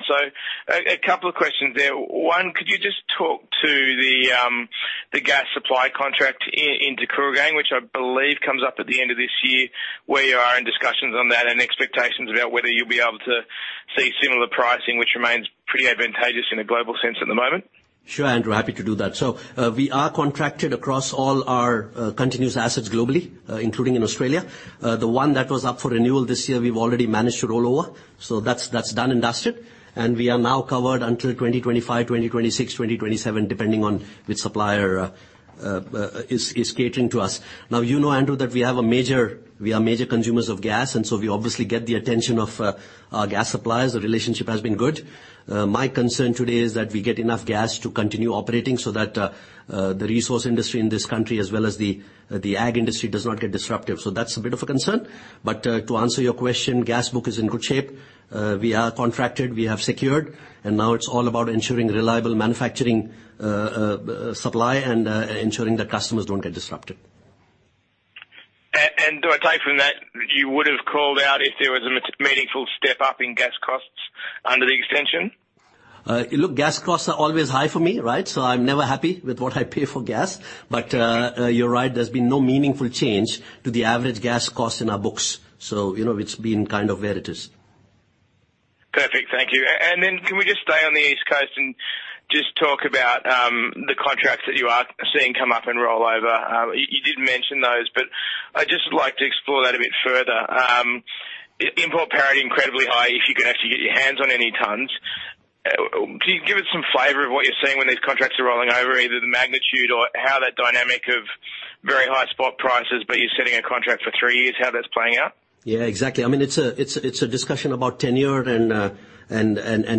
A couple of questions there. One, could you just talk to the gas supply contract in Kooragang, which I believe comes up at the end of this year, where you are in discussions on that, and expectations about whether you'll be able to see similar pricing, which remains pretty advantageous in a global sense at the moment? Sure, Andrew. Happy to do that. We are contracted across all our continuous assets globally, including in Australia. The one that was up for renewal this year, we've already managed to roll over. That's done and dusted. We are now covered until 2025, 2026, 2027, depending on which supplier is catering to us. You know, Andrew, that we are major consumers of gas, and so we obviously get the attention of our gas suppliers. The relationship has been good. My concern today is that we get enough gas to continue operating so that the resource industry in this country as well as the ag industry does not get disruptive. That's a bit of a concern. To answer your question, gas book is in good shape. We are contracted, we have secured, and now it's all about ensuring reliable manufacturing, supply and ensuring that customers don't get disrupted. Do I take from that, you would have called out if there was a meaningful step up in gas costs under the extension? Look, gas costs are always high for me, right? I'm never happy with what I pay for gas. You're right, there's been no meaningful change to the average gas cost in our books. You know, it's been kind of where it is. Perfect. Thank you. Can we just stay on the East Coast and just talk about the contracts that you are seeing come up and roll over? You did mention those, but I'd just like to explore that a bit further. Import parity incredibly high if you can actually get your hands on any tons. Can you give us some flavor of what you're seeing when these contracts are rolling over, either the magnitude or how that dynamic of very high spot prices, but you're setting a contract for three years, how that's playing out? Yeah, exactly. I mean, it's a discussion about tenure and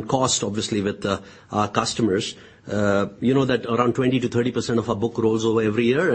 cost, obviously, with our customers. You know that around 20%-30% of our book rolls over every year.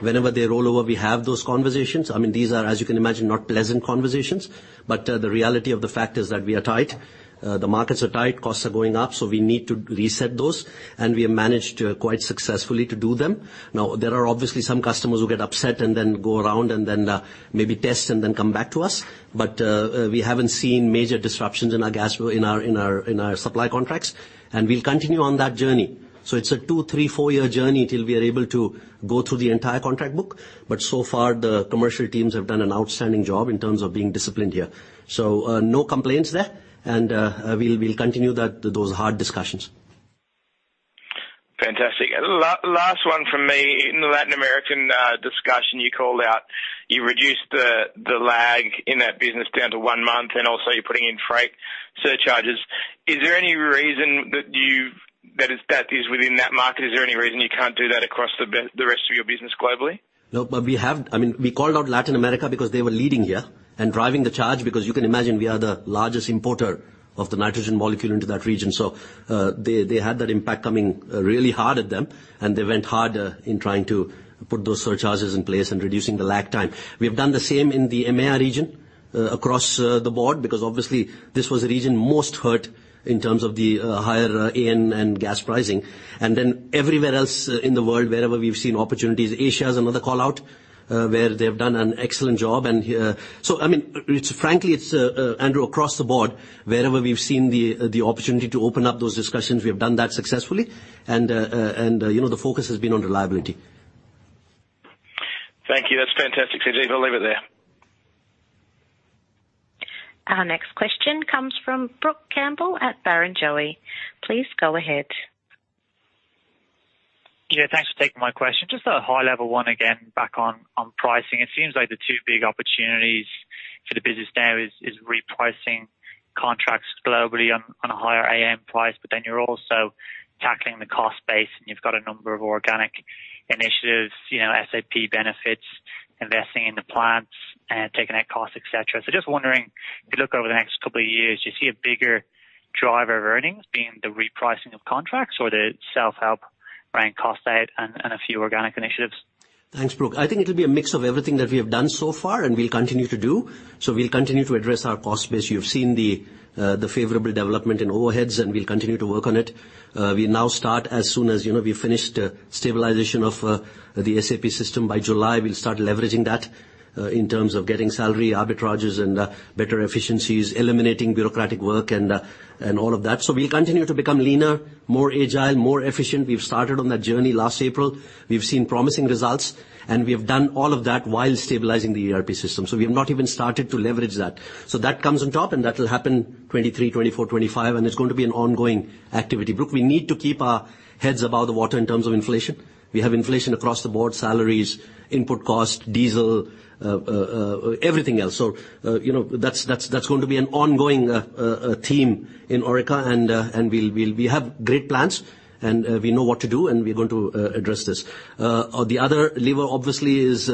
Whenever they roll over, we have those conversations. I mean, these are, as you can imagine, not pleasant conversations. The reality of the fact is that we are tight. The markets are tight. Costs are going up, so we need to reset those. We have managed quite successfully to do them. Now, there are obviously some customers who get upset and then go around and then maybe test and then come back to us. We haven't seen major disruptions in our gas supply contracts. We'll continue on that journey. It's a two-, three-, four-year journey till we are able to go through the entire contract book. So far, the commercial teams have done an outstanding job in terms of being disciplined here. No complaints there. We'll continue those hard discussions. Fantastic. Last one from me. In the Latin American discussion you called out, you reduced the lag in that business down to one month, and also you're putting in freight surcharges. Is there any reason that is within that market? Is there any reason you can't do that across the rest of your business globally? No, but we have I mean, we called out Latin America because they were leading here and driving the charge because you can imagine we are the largest importer of the nitrogen molecule into that region. They had that impact coming really hard at them, and they went hard in trying to put those surcharges in place and reducing the lag time. We have done the same in the EMEA region across the board, because obviously this was a region most hurt in terms of the higher AN and gas pricing. Everywhere else in the world, wherever we've seen opportunities. Asia is another call-out where they have done an excellent job. I mean, it's frankly, Andrew, across the board, wherever we've seen the opportunity to open up those discussions, we have done that successfully. You know, the focus has been on reliability. Thank you. That's fantastic, Sanjeev. I'll leave it there. Our next question comes from Brook Campbell at Barrenjoey. Please go ahead. Yeah, thanks for taking my question. Just a high-level one again back on pricing. It seems like the two big opportunities for the business now is repricing contracts globally on a higher AN price, but then you're also tackling the cost base, and you've got a number of organic initiatives, you know, SAP benefits, investing in the plants, taking out costs, et cetera. Just wondering, if you look over the next couple of years, do you see a bigger driver of earnings being the repricing of contracts or the self-help buying cost out and a few organic initiatives? Thanks, Brooke. I think it'll be a mix of everything that we have done so far and we'll continue to do. We'll continue to address our cost base. You've seen the favorable development in overheads, and we'll continue to work on it. We now start as soon as we've finished stabilization of the SAP system. By July, we'll start leveraging that in terms of getting salary arbitrages and better efficiencies, eliminating bureaucratic work and all of that. We'll continue to become leaner, more agile, more efficient. We've started on that journey last April. We've seen promising results, and we have done all of that while stabilizing the ERP system. We have not even started to leverage that. That comes on top, and that will happen 2023, 2024, 2025, and it's going to be an ongoing activity. Brooke, we need to keep our heads above the water in terms of inflation. We have inflation across the board, salaries, input costs, diesel, everything else. You know, that's going to be an ongoing theme in Orica, and we'll have great plans, and we know what to do and we're going to address this. The other lever obviously is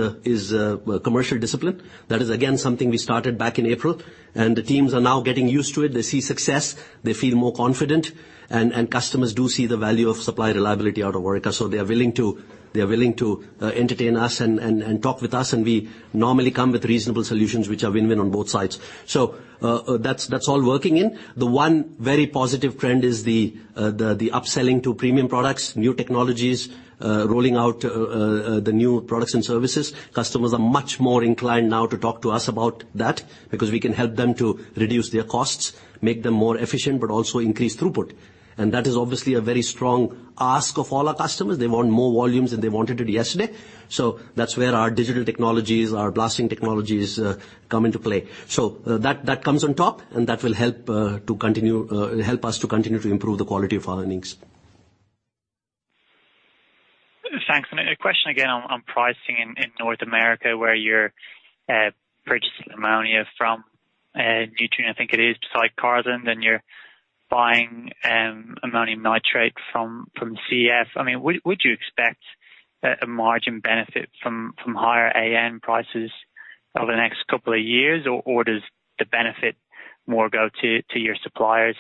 commercial discipline. That is again, something we started back in April, and the teams are now getting used to it. They see success, they feel more confident, and customers do see the value of supply reliability out of Orica. They are willing to entertain us and talk with us, and we normally come with reasonable solutions which are win-win on both sides. That's all working in. The one very positive trend is the upselling to premium products, new technologies, rolling out, the new products and services. Customers are much more inclined now to talk to us about that because we can help them to reduce their costs, make them more efficient, but also increase throughput. That is obviously a very strong ask of all our customers. They want more volumes than they wanted it yesterday. That's where our digital technologies, our blasting technologies, come into play. That comes on top, and that will help us to continue to improve the quality of our earnings. Thanks. A question again on pricing in North America where you're purchasing ammonia from Nutrien, I think it is, besides Carseland, then you're buying ammonium nitrate from CF. I mean, would you expect a margin benefit from higher AN prices over the next couple of years? Or does the benefit more go to your suppliers?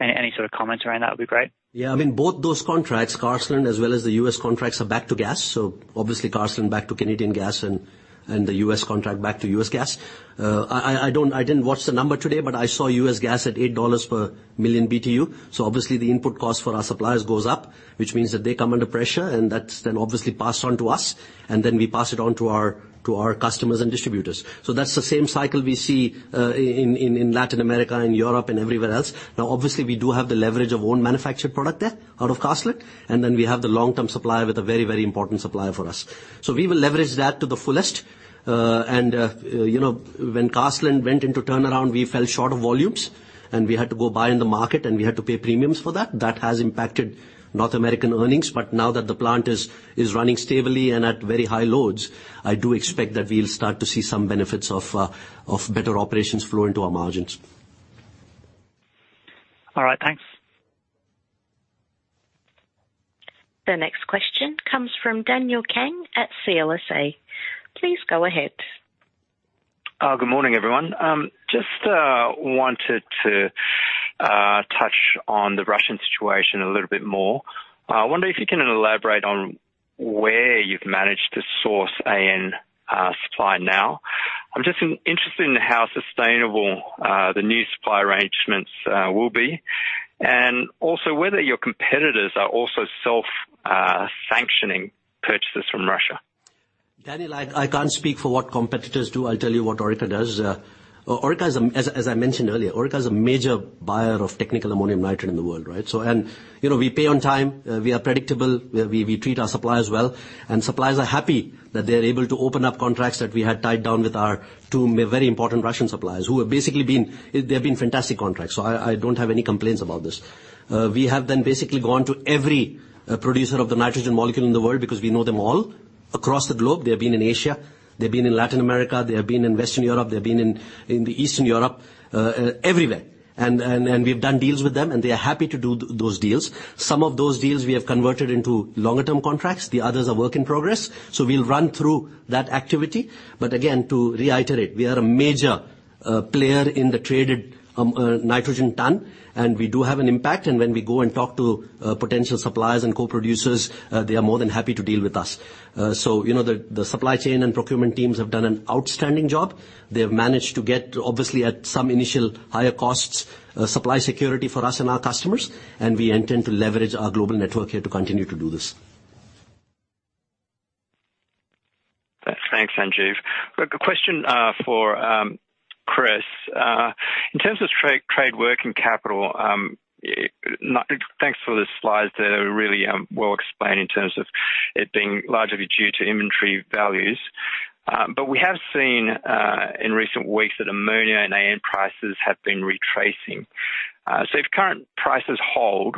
Any sort of comments around that would be great. Yeah. I mean, both those contracts, Carseland as well as the US contracts, are back to gas, so obviously Carseland back to Canadian gas and the US contract back to US gas. I didn't watch the number today, but I saw US gas at $8 per million BTU. Obviously the input cost for our suppliers goes up, which means that they come under pressure, and that's then obviously passed on to us, and then we pass it on to our customers and distributors. That's the same cycle we see in Latin America and Europe and everywhere else. Now obviously we do have the leverage of own manufactured product there out of Carseland, and then we have the long-term supplier with a very, very important supplier for us. We will leverage that to the fullest. You know, when Carseland went into turnaround, we fell short of volumes and we had to go buy in the market and we had to pay premiums for that. That has impacted North American earnings, but now that the plant is running stably and at very high loads, I do expect that we'll start to see some benefits of better operations flow into our margins. All right. Thanks. The next question comes from Daniel Kang at CLSA. Please go ahead. Good morning, everyone. Just wanted to touch on the Russian situation a little bit more. I wonder if you can elaborate on where you've managed to source AN supply now. I'm just interested in how sustainable the new supply arrangements will be, and also whether your competitors are also self-sanctioning purchases from Russia. Daniel, I can't speak for what competitors do. I'll tell you what Orica does. Orica is, as I mentioned earlier, a major buyer of technical ammonium nitrate in the world, right? You know, we pay on time, we are predictable, we treat our suppliers well, and suppliers are happy that they are able to open up contracts that we had tied down with our two very important Russian suppliers. They have been fantastic contracts, I don't have any complaints about this. We have then basically gone to every producer of the nitrogen molecule in the world because we know them all across the globe. They have been in Asia, they've been in Latin America, they have been in Western Europe, they've been in Eastern Europe, everywhere. We've done deals with them and they are happy to do those deals. Some of those deals we have converted into longer term contracts, the others are work in progress, we'll run through that activity. But again, to reiterate, we are a major player in the traded nitrogen ton, and we do have an impact. When we go and talk to potential suppliers and co-producers, they are more than happy to deal with us. You know, the supply chain and procurement teams have done an outstanding job. They've managed to get, obviously at some initial higher costs, supply security for us and our customers, and we intend to leverage our global network here to continue to do this. Thanks, Sanjeev. A question for Chris. In terms of trade working capital, thanks for the slides there. Really, well explained in terms of it being largely due to inventory values. We have seen in recent weeks that ammonia and AN prices have been retracing. If current prices hold,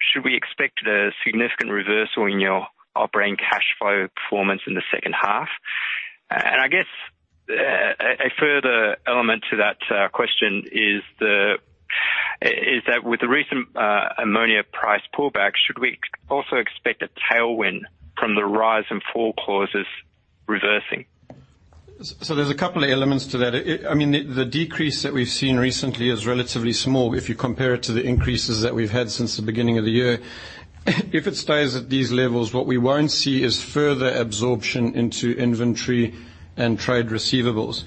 should we expect a significant reversal in your operating cash flow performance in the H2? I guess a further element to that question is that with the recent ammonia price pullback, should we also expect a tailwind from the rise and fall clauses reversing? There's a couple of elements to that. I mean, the decrease that we've seen recently is relatively small if you compare it to the increases that we've had since the beginning of the year. If it stays at these levels, what we won't see is further absorption into inventory and trade receivables.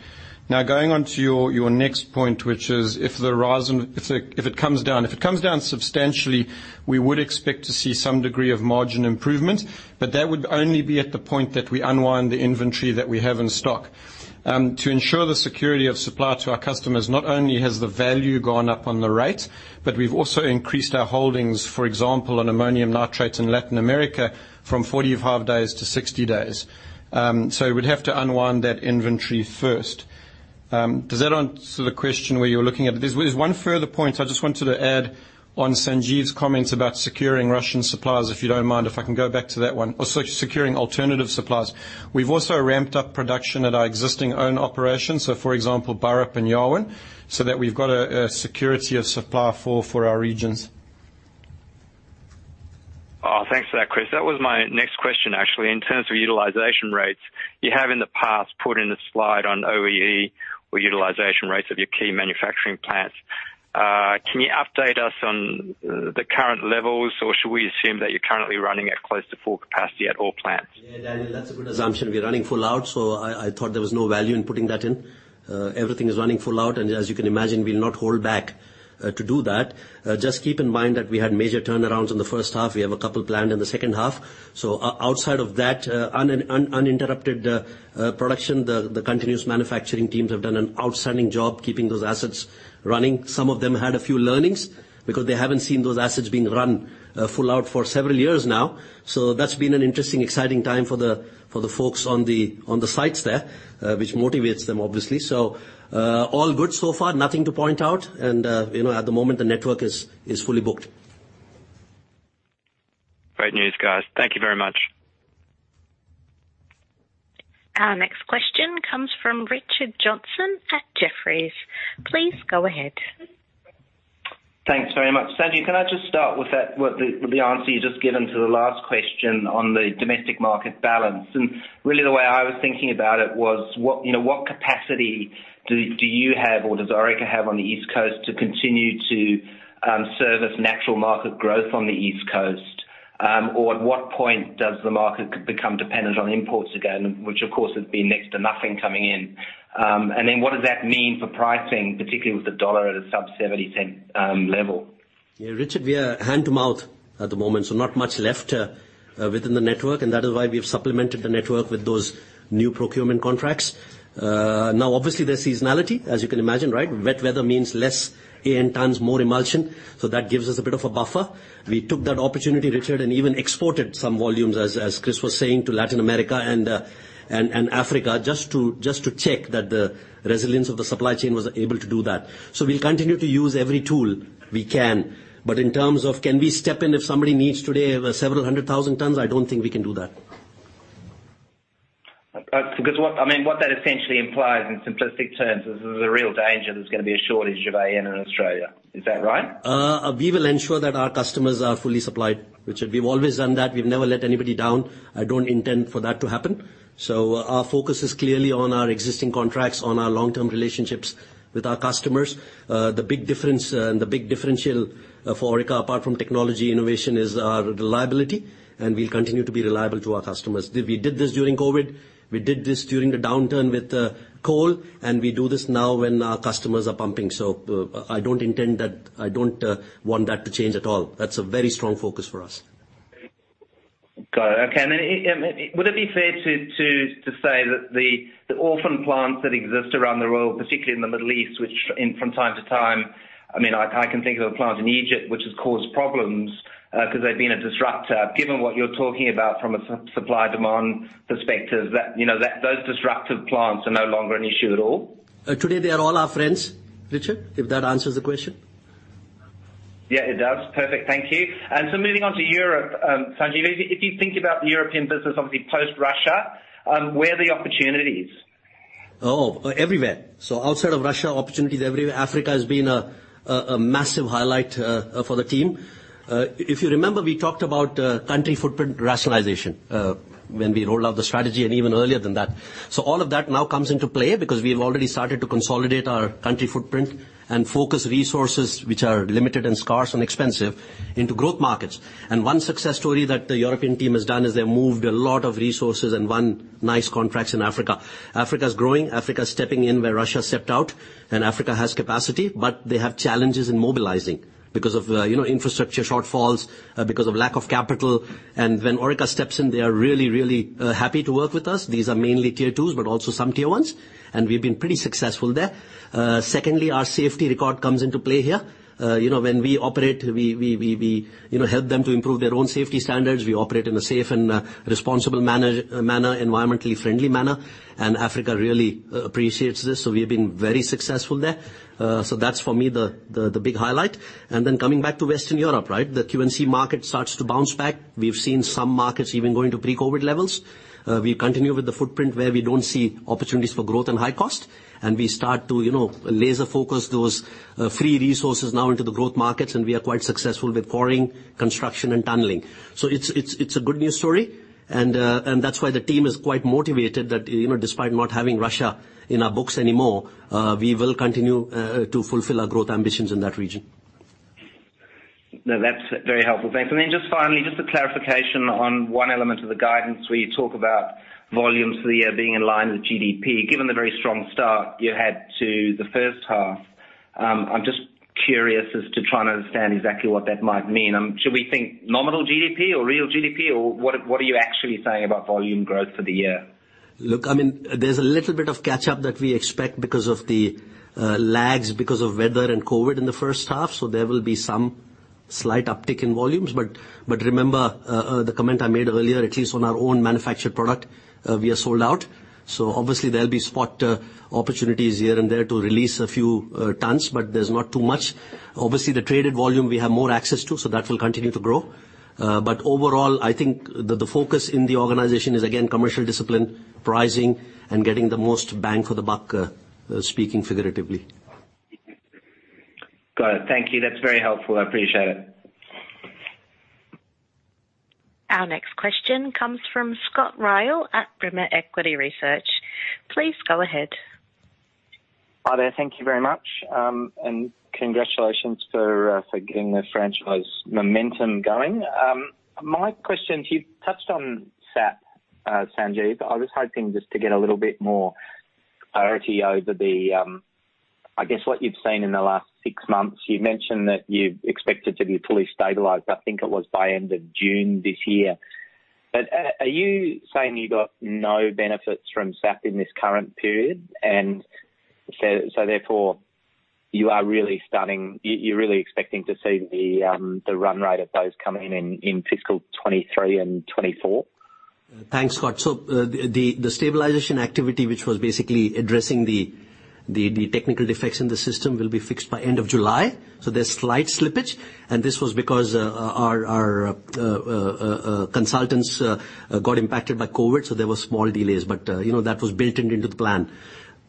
Now, going on to your next point, which is if it comes down substantially, we would expect to see some degree of margin improvement, but that would only be at the point that we unwind the inventory that we have in stock. To ensure the security of supply to our customers, not only has the value gone up on the rate, but we've also increased our holdings, for example, on ammonium nitrate in Latin America from 45 days to 60 days. We'd have to unwind that inventory first. Does that answer the question where you're looking at? There's one further point I just wanted to add on Sanjeev's comments about securing Russian suppliers, if you don't mind, if I can go back to that one. Or securing alternative suppliers. We've also ramped up production at our existing own operations, so for example, Burrup and Yarwun, so that we've got a security of supply for our regions. Oh, thanks for that, Chris. That was my next question, actually. In terms of utilization rates, you have in the past put in a slide on OEE or utilization rates of your key manufacturing plants. Can you update us on the current levels, or should we assume that you're currently running at close to full capacity at all plants? Yeah, Daniel, that's a good assumption. We're running full out, so I thought there was no value in putting that in. Everything is running full out, and as you can imagine, we'll not hold back to do that. Just keep in mind that we had major turnarounds in the H1. We have a couple planned in the H2. Outside of that, uninterrupted production, the continuous manufacturing teams have done an outstanding job keeping those assets running. Some of them had a few learnings because they haven't seen those assets being run full out for several years now. That's been an interesting exciting time for the folks on the sites there, which motivates them obviously. All good so far. Nothing to point out, and you know, at the moment, the network is fully booked. Great news, guys. Thank you very much. Our next question comes from Richard Johnson at Jefferies. Please go ahead. Thanks very much. Sanjeev, can I just start with that, what the answer you've just given to the last question on the domestic market balance? Really the way I was thinking about it was what, you know, what capacity do you have or does Orica have on the East Coast to continue to service natural market growth on the East Coast? Or at what point does the market become dependent on imports again, which of course has been next to nothing coming in? And then what does that mean for pricing, particularly with the dollar at a sub 0.70 level? Yeah, Richard, we are hand to mouth at the moment, so not much left within the network, and that is why we have supplemented the network with those new procurement contracts. Now, obviously, there's seasonality, as you can imagine, right? Wet weather means less AN tons, more emulsion, so that gives us a bit of a buffer. We took that opportunity, Richard, and even exported some volumes, as Chris was saying, to Latin America and Africa, just to check that the resilience of the supply chain was able to do that. We'll continue to use every tool we can. In terms of can we step in if somebody needs today several hundred thousand tons, I don't think we can do that. I mean, what that essentially implies in simplistic terms is there's a real danger there's gonna be a shortage of AN in Australia. Is that right? We will ensure that our customers are fully supplied. Richard, we've always done that. We've never let anybody down. I don't intend for that to happen. Our focus is clearly on our existing contracts, on our long-term relationships with our customers. The big difference, the big differential, for Orica, apart from technology innovation, is our reliability, and we'll continue to be reliable to our customers. We did this during COVID, we did this during the downturn with coal, and we do this now when our customers are pumping. I don't intend that. I don't want that to change at all. That's a very strong focus for us. Got it. Okay. Would it be fair to say that the orphan plants that exist around the world, particularly in the Middle East, which from time to time, I mean, I can think of a plant in Egypt which has caused problems, 'cause they've been a disruptor. Given what you're talking about from a supply/demand perspective, you know, those disruptive plants are no longer an issue at all? Today they are all our friends, Richard, if that answers the question. Yeah, it does. Perfect. Thank you. Moving on to Europe, Sanjeev, if you think about the European business, obviously post-Russia, where are the opportunities? Oh, everywhere. Outside of Russia, opportunities everywhere. Africa has been a massive highlight for the team. If you remember, we talked about country footprint rationalization when we rolled out the strategy and even earlier than that. All of that now comes into play because we've already started to consolidate our country footprint and focus resources which are limited and scarce and expensive into growth markets. One success story that the European team has done is they moved a lot of resources and won nice contracts in Africa. Africa is growing. Africa is stepping in where Russia stepped out, and Africa has capacity, but they have challenges in mobilizing because of you know, infrastructure shortfalls because of lack of capital. When Orica steps in, they are really happy to work with us. These are mainly tier twos, but also some tier ones, and we've been pretty successful there. Secondly, our safety record comes into play here. You know, when we operate, we, you know, help them to improve their own safety standards. We operate in a safe and responsible manner, environmentally friendly manner, and Africa really appreciates this. We've been very successful there. That's for me the big highlight. Coming back to Western Europe, right? The Q&C market starts to bounce back. We've seen some markets even going to pre-COVID levels. We continue with the footprint where we don't see opportunities for growth and high cost, and we start to, you know, laser focus those free resources now into the growth markets, and we are quite successful with quarrying, construction, and tunneling. It's a good news story, and that's why the team is quite motivated that, you know, despite not having Russia in our books anymore, we will continue to fulfill our growth ambitions in that region. No, that's very helpful. Thanks. Just finally, just a clarification on one element of the guidance where you talk about volumes for the year being in line with GDP. Given the very strong start you had to the H1, I'm just curious as to trying to understand exactly what that might mean. Should we think nominal GDP or real GDP? What are you actually saying about volume growth for the year? Look, I mean, there's a little bit of catch-up that we expect because of the lags because of weather and COVID in the H1. There will be some slight uptick in volumes. Remember the comment I made earlier, at least on our own manufactured product, we are sold out. Obviously there'll be spot opportunities here and there to release a few tons, but there's not too much. Obviously, the traded volume we have more access to, so that will continue to grow. Overall, I think the focus in the organization is again, commercial discipline, pricing, and getting the most bang for the buck, speaking figuratively. Got it. Thank you. That's very helpful. I appreciate it. Our next question comes from Scott Ryall at Rimor Equity Research. Please go ahead. Hi there. Thank you very much. Congratulations for getting the franchise momentum going. My question, you touched on SAP, Sanjeev. I was hoping just to get a little bit more clarity over the, I guess, what you've seen in the last six months. You mentioned that you expect it to be fully stabilized, I think it was by end of June this year. Are you saying you got no benefits from SAP in this current period? Therefore, you're really expecting to see the run rate of those coming in fiscal 2023 and 2024? Thanks, Scott. The stabilization activity, which was basically addressing the technical defects in the system, will be fixed by end of July. There's slight slippage, and this was because our consultants got impacted by COVID, so there were small delays. You know, that was built into the plan.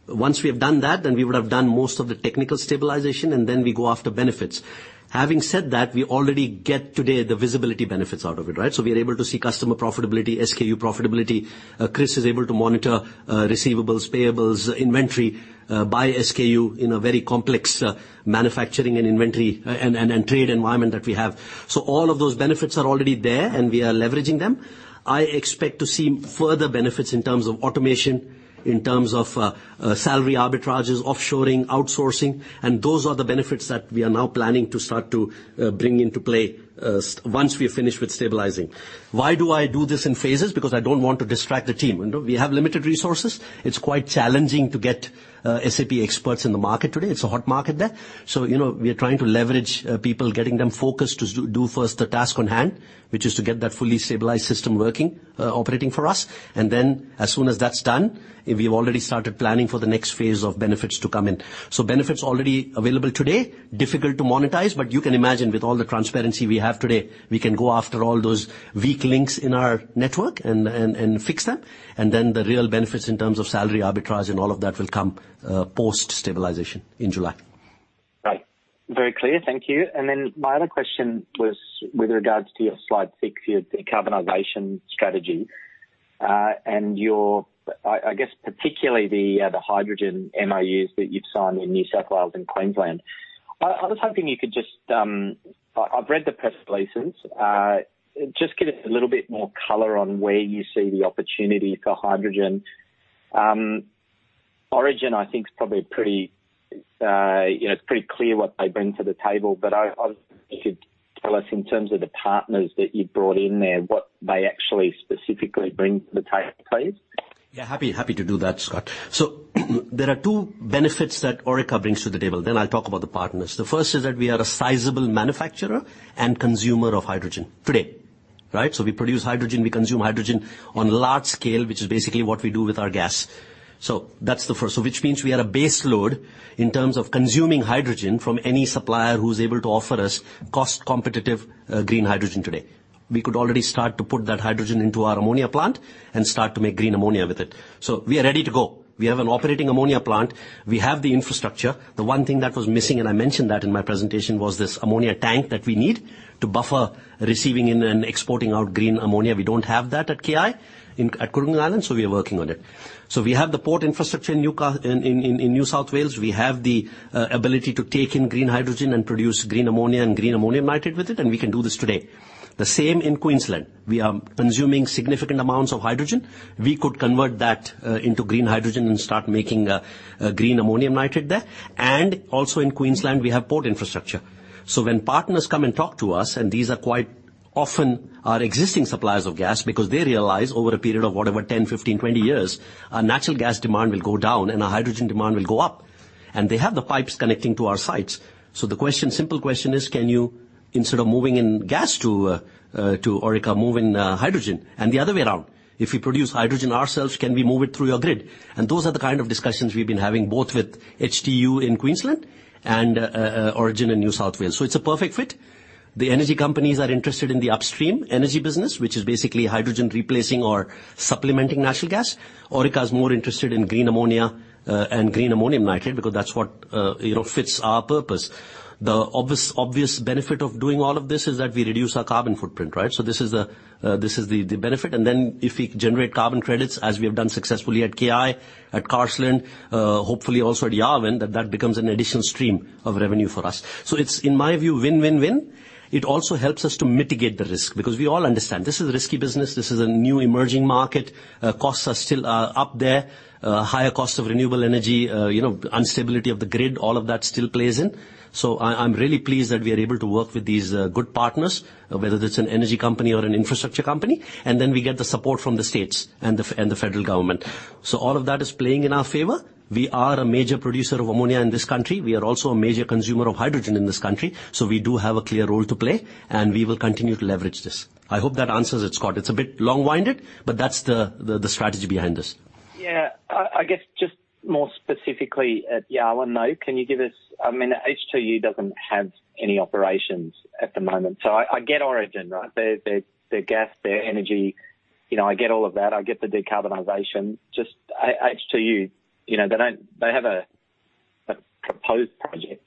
Once we have done that, then we would have done most of the technical stabilization, and then we go after benefits. Having said that, we already get today the visibility benefits out of it, right? We are able to see customer profitability, SKU profitability. Chris is able to monitor receivables, payables, inventory by SKU in a very complex manufacturing and inventory and trade environment that we have. All of those benefits are already there, and we are leveraging them. I expect to see further benefits in terms of automation, in terms of salary arbitrages, offshoring, outsourcing, and those are the benefits that we are now planning to start to bring into play once we're finished with stabilizing. Why do I do this in phases? Because I don't want to distract the team. You know, we have limited resources. It's quite challenging to get SAP experts in the market today. It's a hot market there. You know, we are trying to leverage people, getting them focused to do first the task on hand, which is to get that fully stabilized system working, operating for us. As soon as that's done, we've already started planning for the next phase of benefits to come in. Benefits already available today, difficult to monetize, but you can imagine with all the transparency we have today, we can go after all those weak links in our network and fix them. Then the real benefits in terms of salary arbitrage and all of that will come post-stabilization in July. Great. Very clear. Thank you. My other question was with regards to your slide six, your decarbonization strategy, and I guess particularly the hydrogen MOUs that you've signed in New South Wales and Queensland. I was hoping you could just give us a little bit more color on where you see the opportunity for hydrogen. I've read the press releases. Origin, I think, is probably pretty, you know, it's pretty clear what they bring to the table, but if you'd tell us in terms of the partners that you've brought in there, what they actually specifically bring to the table, please. Yeah. Happy to do that, Scott. There are two benefits that Orica brings to the table, then I'll talk about the partners. The first is that we are a sizable manufacturer and consumer of hydrogen today, right? We produce hydrogen, we consume hydrogen on large scale, which is basically what we do with our gas. That's the first one, which means we are a base load in terms of consuming hydrogen from any supplier who's able to offer us cost-competitive green hydrogen today. We could already start to put that hydrogen into our ammonia plant and start to make green ammonia with it. We are ready to go. We have an operating ammonia plant. We have the infrastructure. The one thing that was missing, and I mentioned that in my presentation, was this ammonia tank that we need to buffer receiving in and exporting out green ammonia. We don't have that at KI at Kooragang Island, so we are working on it. We have the port infrastructure in New South Wales. We have the ability to take in green hydrogen and produce green ammonia and green ammonium nitrate with it, and we can do this today. The same in Queensland. We are consuming significant amounts of hydrogen. We could convert that into green hydrogen and start making green ammonium nitrate there. Also in Queensland, we have port infrastructure. When partners come and talk to us, and these are quite often our existing suppliers of gas, because they realize over a period of whatever, 10, 15, 20 years, our natural gas demand will go down and our hydrogen demand will go up. They have the pipes connecting to our sites. The question, simple question is, can you, instead of moving in gas to Orica, move in hydrogen? The other way around, if we produce hydrogen ourselves, can we move it through your grid? Those are the kind of discussions we've been having, both with H2U in Queensland and Origin in New South Wales. It's a perfect fit. The energy companies are interested in the upstream energy business, which is basically hydrogen replacing or supplementing natural gas. Orica is more interested in green ammonia and green ammonium nitrate because that's what, you know, fits our purpose. The obvious benefit of doing all of this is that we reduce our carbon footprint, right? This is the benefit. If we generate carbon credits as we have done successfully at KI, at Carseland, hopefully also at Yarwun, that becomes an additional stream of revenue for us. It's in my view, win-win-win. It also helps us to mitigate the risk because we all understand this is a risky business. This is a new emerging market. Costs are still up there, higher cost of renewable energy, you know, instability of the grid, all of that still plays in. I'm really pleased that we are able to work with these good partners, whether it's an energy company or an infrastructure company, and then we get the support from the states and the federal government. All of that is playing in our favor. We are a major producer of ammonia in this country. We are also a major consumer of hydrogen in this country. We do have a clear role to play, and we will continue to leverage this. I hope that answers it, Scott. It's a bit long-winded, but that's the strategy behind this. Yeah. I guess just more specifically at Yarwun, though. Can you give us? I mean, H2U doesn't have any operations at the moment, so I get Origin, right? Their gas, their energy, you know, I get all of that. I get the decarbonization. Just H2U, you know, they don't. They have a proposed project,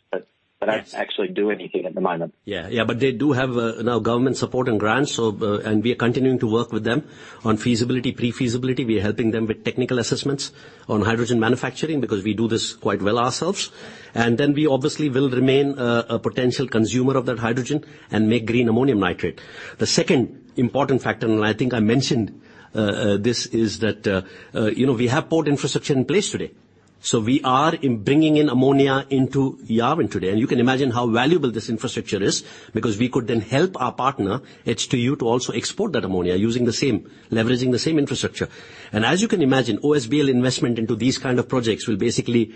but they don't actually do anything at the moment. Yeah. Yeah, but they do have now government support and grants. We are continuing to work with them on feasibility, pre-feasibility. We are helping them with technical assessments on hydrogen manufacturing because we do this quite well ourselves. We obviously will remain a potential consumer of that hydrogen and make green ammonium nitrate. The second important factor, and I think I mentioned this, is that you know, we have port infrastructure in place today. We are bringing in ammonia into Yarwun today. You can imagine how valuable this infrastructure is because we could then help our partner, H2U, to also export that ammonia leveraging the same infrastructure. As you can imagine, OSBL investment into these kind of projects will basically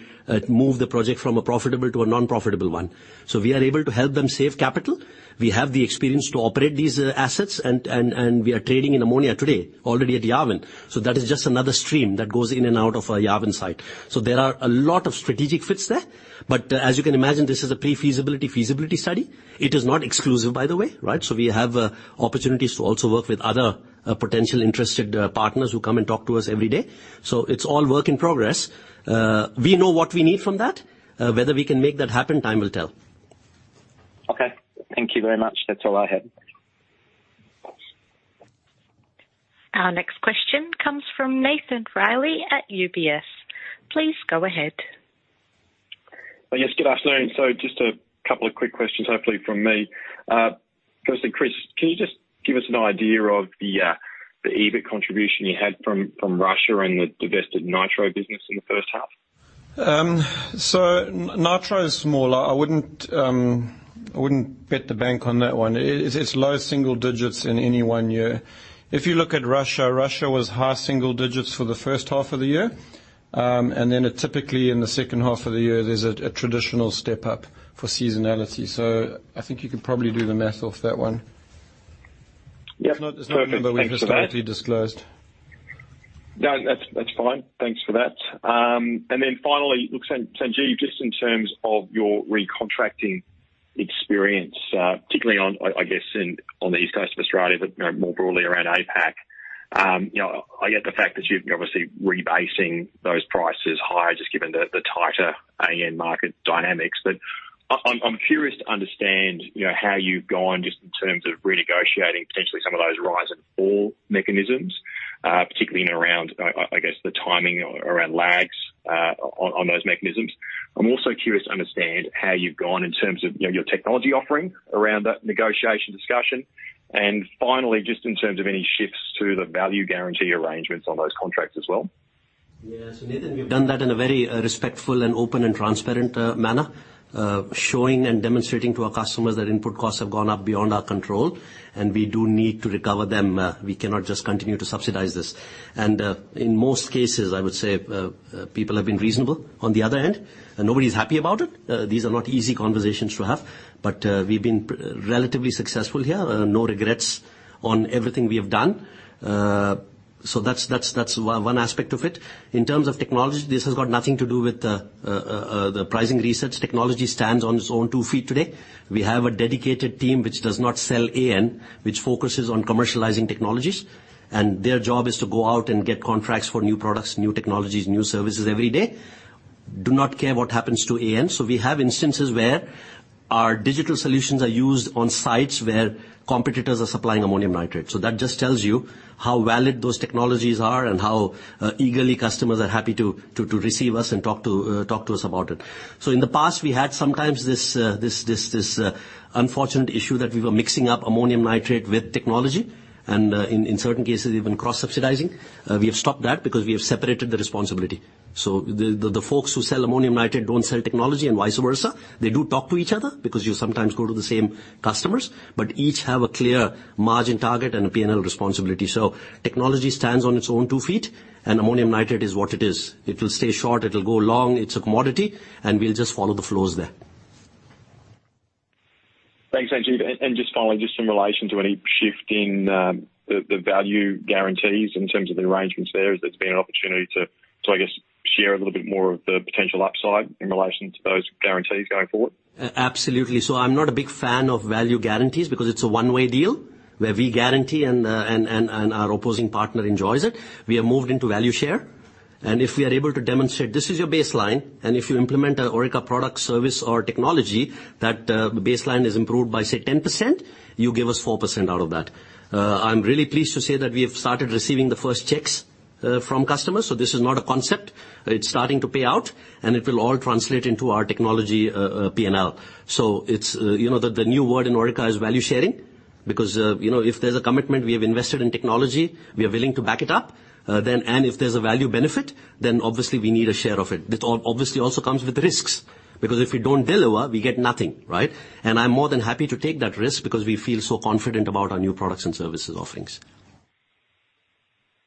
move the project from a profitable to a non-profitable one. We are able to help them save capital. We have the experience to operate these assets and we are trading in ammonia today already at Yarwun. That is just another stream that goes in and out of our Yarwun site. There are a lot of strategic fits there. As you can imagine, this is a pre-feasibility, feasibility study. It is not exclusive, by the way, right? We have opportunities to also work with other potential interested partners who come and talk to us every day. It's all work in progress. We know what we need from that. Whether we can make that happen, time will tell. Okay. Thank you very much. That's all I had. Our next question comes from Nathan Reilly at UBS. Please go ahead. Yes, good afternoon. Just a couple of quick questions, hopefully from me. Firstly, Chris, can you just give us an idea of the EBIT contribution you had from Russia and the divested Nitro business in the H1? Nitro is smaller. I wouldn't bet the bank on that one. It's low single digits in any one year. If you look at Russia, it was high single digits for the H1 of the year. It typically in the H2 of the year, there's a traditional step up for seasonality. I think you could probably do the math off that one. Yeah. It's not a number we've historically disclosed. No, that's fine. Thanks for that. Then finally, look, Sanjeev, just in terms of your recontracting experience, particularly, I guess, on the east coast of Australia, but you know, more broadly around APAC, you know, I get the fact that you're obviously rebasing those prices higher just given the tighter AN market dynamics. But I'm curious to understand, you know, how you've gone just in terms of renegotiating potentially some of those rise and fall mechanisms, particularly around, I guess, the timing around lags on those mechanisms. I'm also curious to understand how you've gone in terms of, you know, your technology offering around that negotiation discussion. Finally, just in terms of any shifts to the value guarantee arrangements on those contracts as well. Yeah, Nathan, we've done that in a very respectful and open and transparent manner, showing and demonstrating to our customers that input costs have gone up beyond our control, and we do need to recover them. We cannot just continue to subsidize this. In most cases, I would say, people have been reasonable on the other end, and nobody's happy about it. These are not easy conversations to have, but we've been relatively successful here. No regrets on everything we have done. That's one aspect of it. In terms of technology, this has got nothing to do with the pricing resets. Technology stands on its own two feet today. We have a dedicated team which does not sell AN, which focuses on commercializing technologies, and their job is to go out and get contracts for new products, new technologies, new services every day. Do not care what happens to AN. We have instances where our digital solutions are used on sites where competitors are supplying ammonium nitrate. That just tells you how valid those technologies are and how eagerly customers are happy to receive us and talk to us about it. In the past, we had sometimes this unfortunate issue that we were mixing up ammonium nitrate with technology, and in certain cases, even cross-subsidizing. We have stopped that because we have separated the responsibility. The folks who sell ammonium nitrate don't sell technology and vice versa. They do talk to each other because you sometimes go to the same customers, but each have a clear margin target and a P&L responsibility. Technology stands on its own two feet and ammonium nitrate is what it is. It will stay short, it'll go long, it's a commodity, and we'll just follow the flows there. Thanks, Sanjeev. Just finally, just in relation to any shift in the value guarantees in terms of the arrangements there. Has there been an opportunity to I guess share a little bit more of the potential upside in relation to those guarantees going forward? Absolutely. I'm not a big fan of value guarantees because it's a one-way deal. Where we guarantee and our opposing partner enjoys it. We have moved into value share, and if we are able to demonstrate this is your baseline, and if you implement an Orica product, service or technology, that baseline is improved by say 10%, you give us 4% out of that. I'm really pleased to say that we have started receiving the first checks from customers. This is not a concept. It's starting to pay out, and it will all translate into our technology P&L. It's you know that the new word in Orica is value sharing because you know, if there's a commitment, we have invested in technology, we are willing to back it up. If there's a value benefit, then obviously we need a share of it. It obviously also comes with risks, because if we don't deliver, we get nothing, right? I'm more than happy to take that risk because we feel so confident about our new products and services offerings.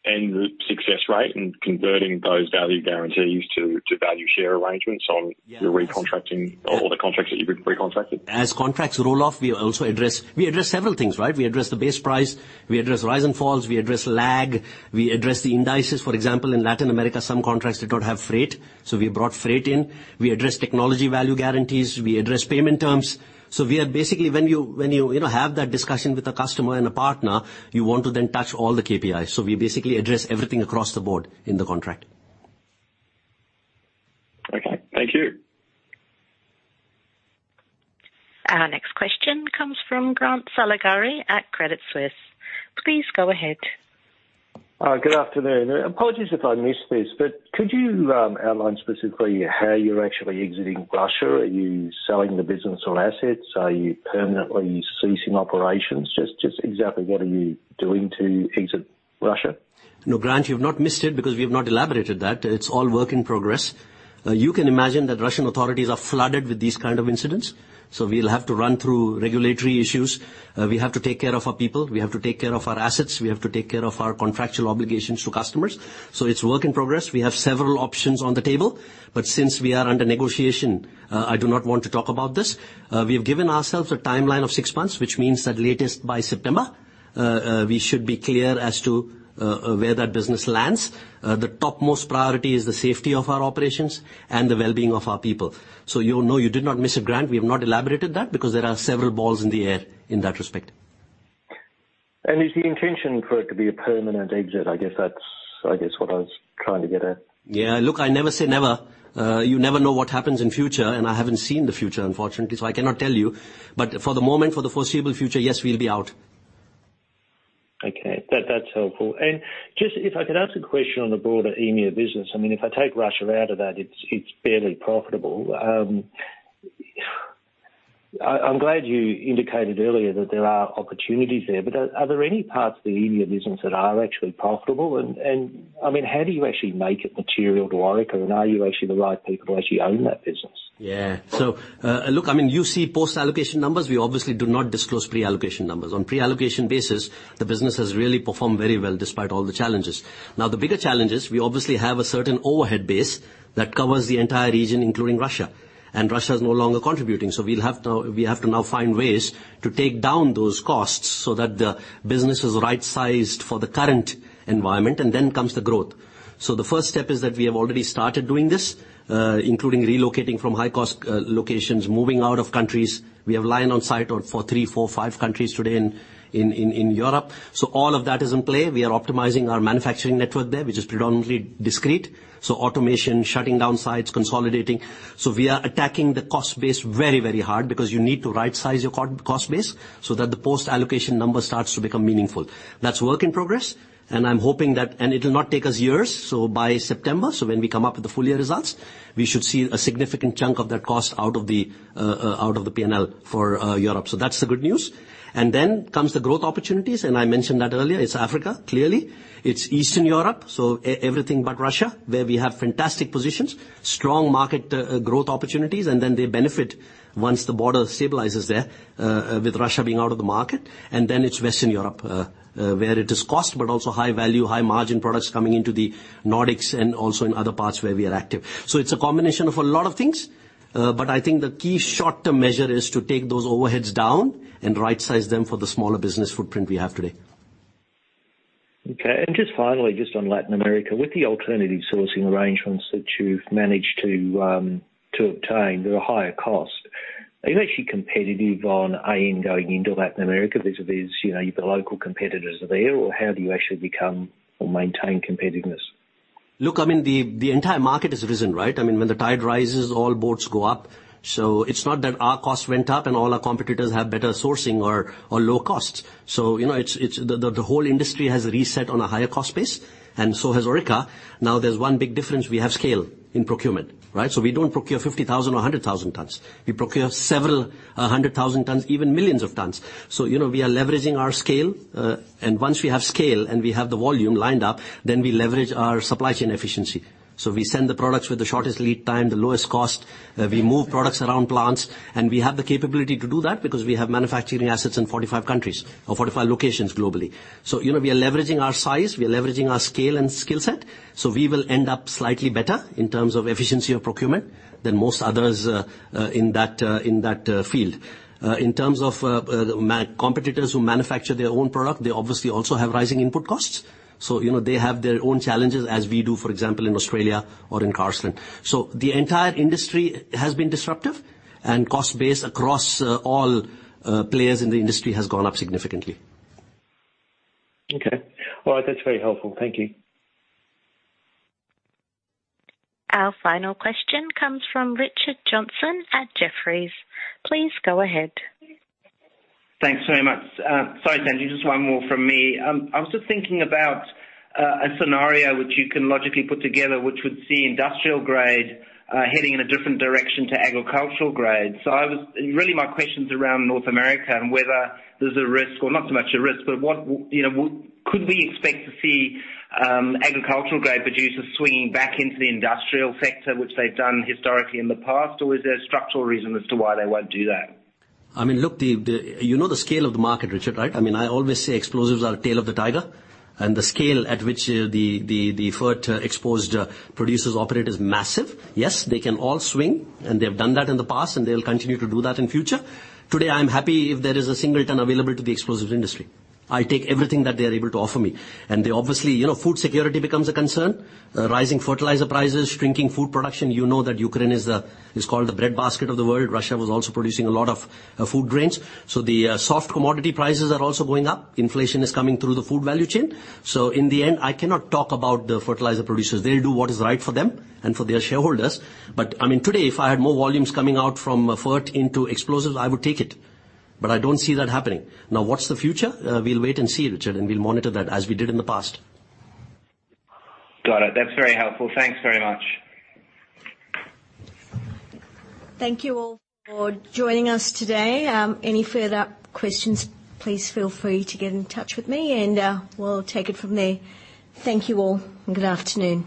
The success rate in converting those value guarantees to value share arrangements on. Yes. the recontracting or the contracts that you've recontracted. As contracts roll off, we also address several things, right? We address the base price, we address rise and fall, we address lag, we address the indices. For example, in Latin America, some contracts did not have freight, so we brought freight in. We address technology value guarantees, we address payment terms. We are basically, when you know, have that discussion with a customer and a partner, you want to then touch all the KPIs. We basically address everything across the board in the contract. Okay. Thank you. Our next question comes from Grant Saligari at Credit Suisse. Please go ahead. Good afternoon. Apologies if I missed this, but could you outline specifically how you're actually exiting Russia? Are you selling the business or assets? Are you permanently ceasing operations? Just exactly what are you doing to exit Russia? No, Grant, you've not missed it because we have not elaborated that. It's all work in progress. You can imagine that Russian authorities are flooded with these kind of incidents. We'll have to run through regulatory issues. We have to take care of our people. We have to take care of our assets. We have to take care of our contractual obligations to customers. It's work in progress. We have several options on the table, but since we are under negotiation, I do not want to talk about this. We have given ourselves a timeline of 6 months, which means that latest by September, we should be clear as to where that business lands. The topmost priority is the safety of our operations and the well-being of our people. You know, you did not miss it, Grant. We have not elaborated that because there are several balls in the air in that respect. Is the intention for it to be a permanent exit? I guess that's what I was trying to get at. Yeah. Look, I never say never. You never know what happens in future, and I haven't seen the future, unfortunately, so I cannot tell you. For the moment, for the foreseeable future, yes, we'll be out. Okay. That, that's helpful. Just if I could ask a question on the broader EMEA business. I mean, if I take Russia out of that, it's barely profitable. I'm glad you indicated earlier that there are opportunities there, but are there any parts of the EMEA business that are actually profitable? I mean, how do you actually make it material to Orica? Are you actually the right people to actually own that business? You see post-allocation numbers. We obviously do not disclose pre-allocation numbers. On pre-allocation basis, the business has really performed very well despite all the challenges. The bigger challenge is we obviously have a certain overhead base that covers the entire region, including Russia, and Russia is no longer contributing. We have to now find ways to take down those costs so that the business is right-sized for the current environment, and then comes the growth. The first step is that we have already started doing this, including relocating from high-cost locations, moving out of countries. We have lines of sight for three, four, five countries today in Europe. All of that is in play. We are optimizing our manufacturing network there, which is predominantly discrete, so automation, shutting down sites, consolidating. We are attacking the cost base very, very hard because you need to right-size your cost base so that the post-allocation number starts to become meaningful. That's work in progress, and I'm hoping that it will not take us years. By September, so when we come up with the full year results, we should see a significant chunk of that cost out of the P&L for Europe. That's the good news. Then comes the growth opportunities, and I mentioned that earlier. It's Africa, clearly. It's Eastern Europe, so everything but Russia, where we have fantastic positions, strong market growth opportunities, and then they benefit once the border stabilizes there with Russia being out of the market. It's Western Europe, where it is cost, but also high value, high margin products coming into the Nordics and also in other parts where we are active. It's a combination of a lot of things, but I think the key short-term measure is to take those overheads down and right-size them for the smaller business footprint we have today. Okay. Just finally, just on Latin America, with the alternative sourcing arrangements that you've managed to obtain that are higher cost, are you actually competitive on AN going into Latin America vis-à-vis, you know, the local competitors are there? Or how do you actually become or maintain competitiveness? Look, I mean, the entire market has risen, right? I mean, when the tide rises, all boats go up. It's not that our cost went up and all our competitors have better sourcing or low costs. You know, it's the whole industry has reset on a higher cost base and so has Orica. Now, there's one big difference. We have scale in procurement, right? We don't procure 50,000 or 100,000 tons. We procure several hundred thousand tons, even millions of tons. You know, we are leveraging our scale, and once we have scale and we have the volume lined up, then we leverage our supply chain efficiency. We send the products with the shortest lead time, the lowest cost, we move products around plants, and we have the capability to do that because we have manufacturing assets in 45 countries or 45 locations globally. You know, we are leveraging our size, we are leveraging our scale and skill set, so we will end up slightly better in terms of efficiency of procurement than most others, in that field. In terms of competitors who manufacture their own product, they obviously also have rising input costs. You know, they have their own challenges as we do, for example, in Australia or in Carseland. The entire industry has been disrupted and cost base across all players in the industry has gone up significantly. Okay. All right. That's very helpful. Thank you. Our final question comes from Richard Johnson at Jefferies. Please go ahead. Thanks very much. Sorry, Sanjeev, just one more from me. I was just thinking about a scenario which you can logically put together, which would see industrial-grade heading in a different direction to agricultural grade. Really my question's around North America and whether there's a risk, or not so much a risk, but what, you know, could we expect to see, agricultural grade producers swinging back into the industrial sector, which they've done historically in the past? Or is there a structural reason as to why they won't do that? I mean, look, you know the scale of the market, Richard, right? I mean, I always say explosives are tail of the tiger, and the scale at which fert exposed producers operate is massive. Yes, they can all swing, and they've done that in the past, and they'll continue to do that in future. Today, I'm happy if there is a single ton available to the explosives industry. I take everything that they're able to offer me. They, obviously, you know, food security becomes a concern. Rising fertilizer prices, shrinking food production. You know that Ukraine is called the breadbasket of the world. Russia was also producing a lot of food grains. The soft commodity prices are also going up. Inflation is coming through the food value chain. In the end, I cannot talk about the fertilizer producers. They'll do what is right for them and for their shareholders. I mean, today, if I had more volumes coming out from fert into explosives, I would take it, but I don't see that happening. Now, what's the future? We'll wait and see, Richard, and we'll monitor that as we did in the past. Got it. That's very helpful. Thanks very much. Thank you all for joining us today. Any further questions, please feel free to get in touch with me, and we'll take it from there. Thank you all, and good afternoon.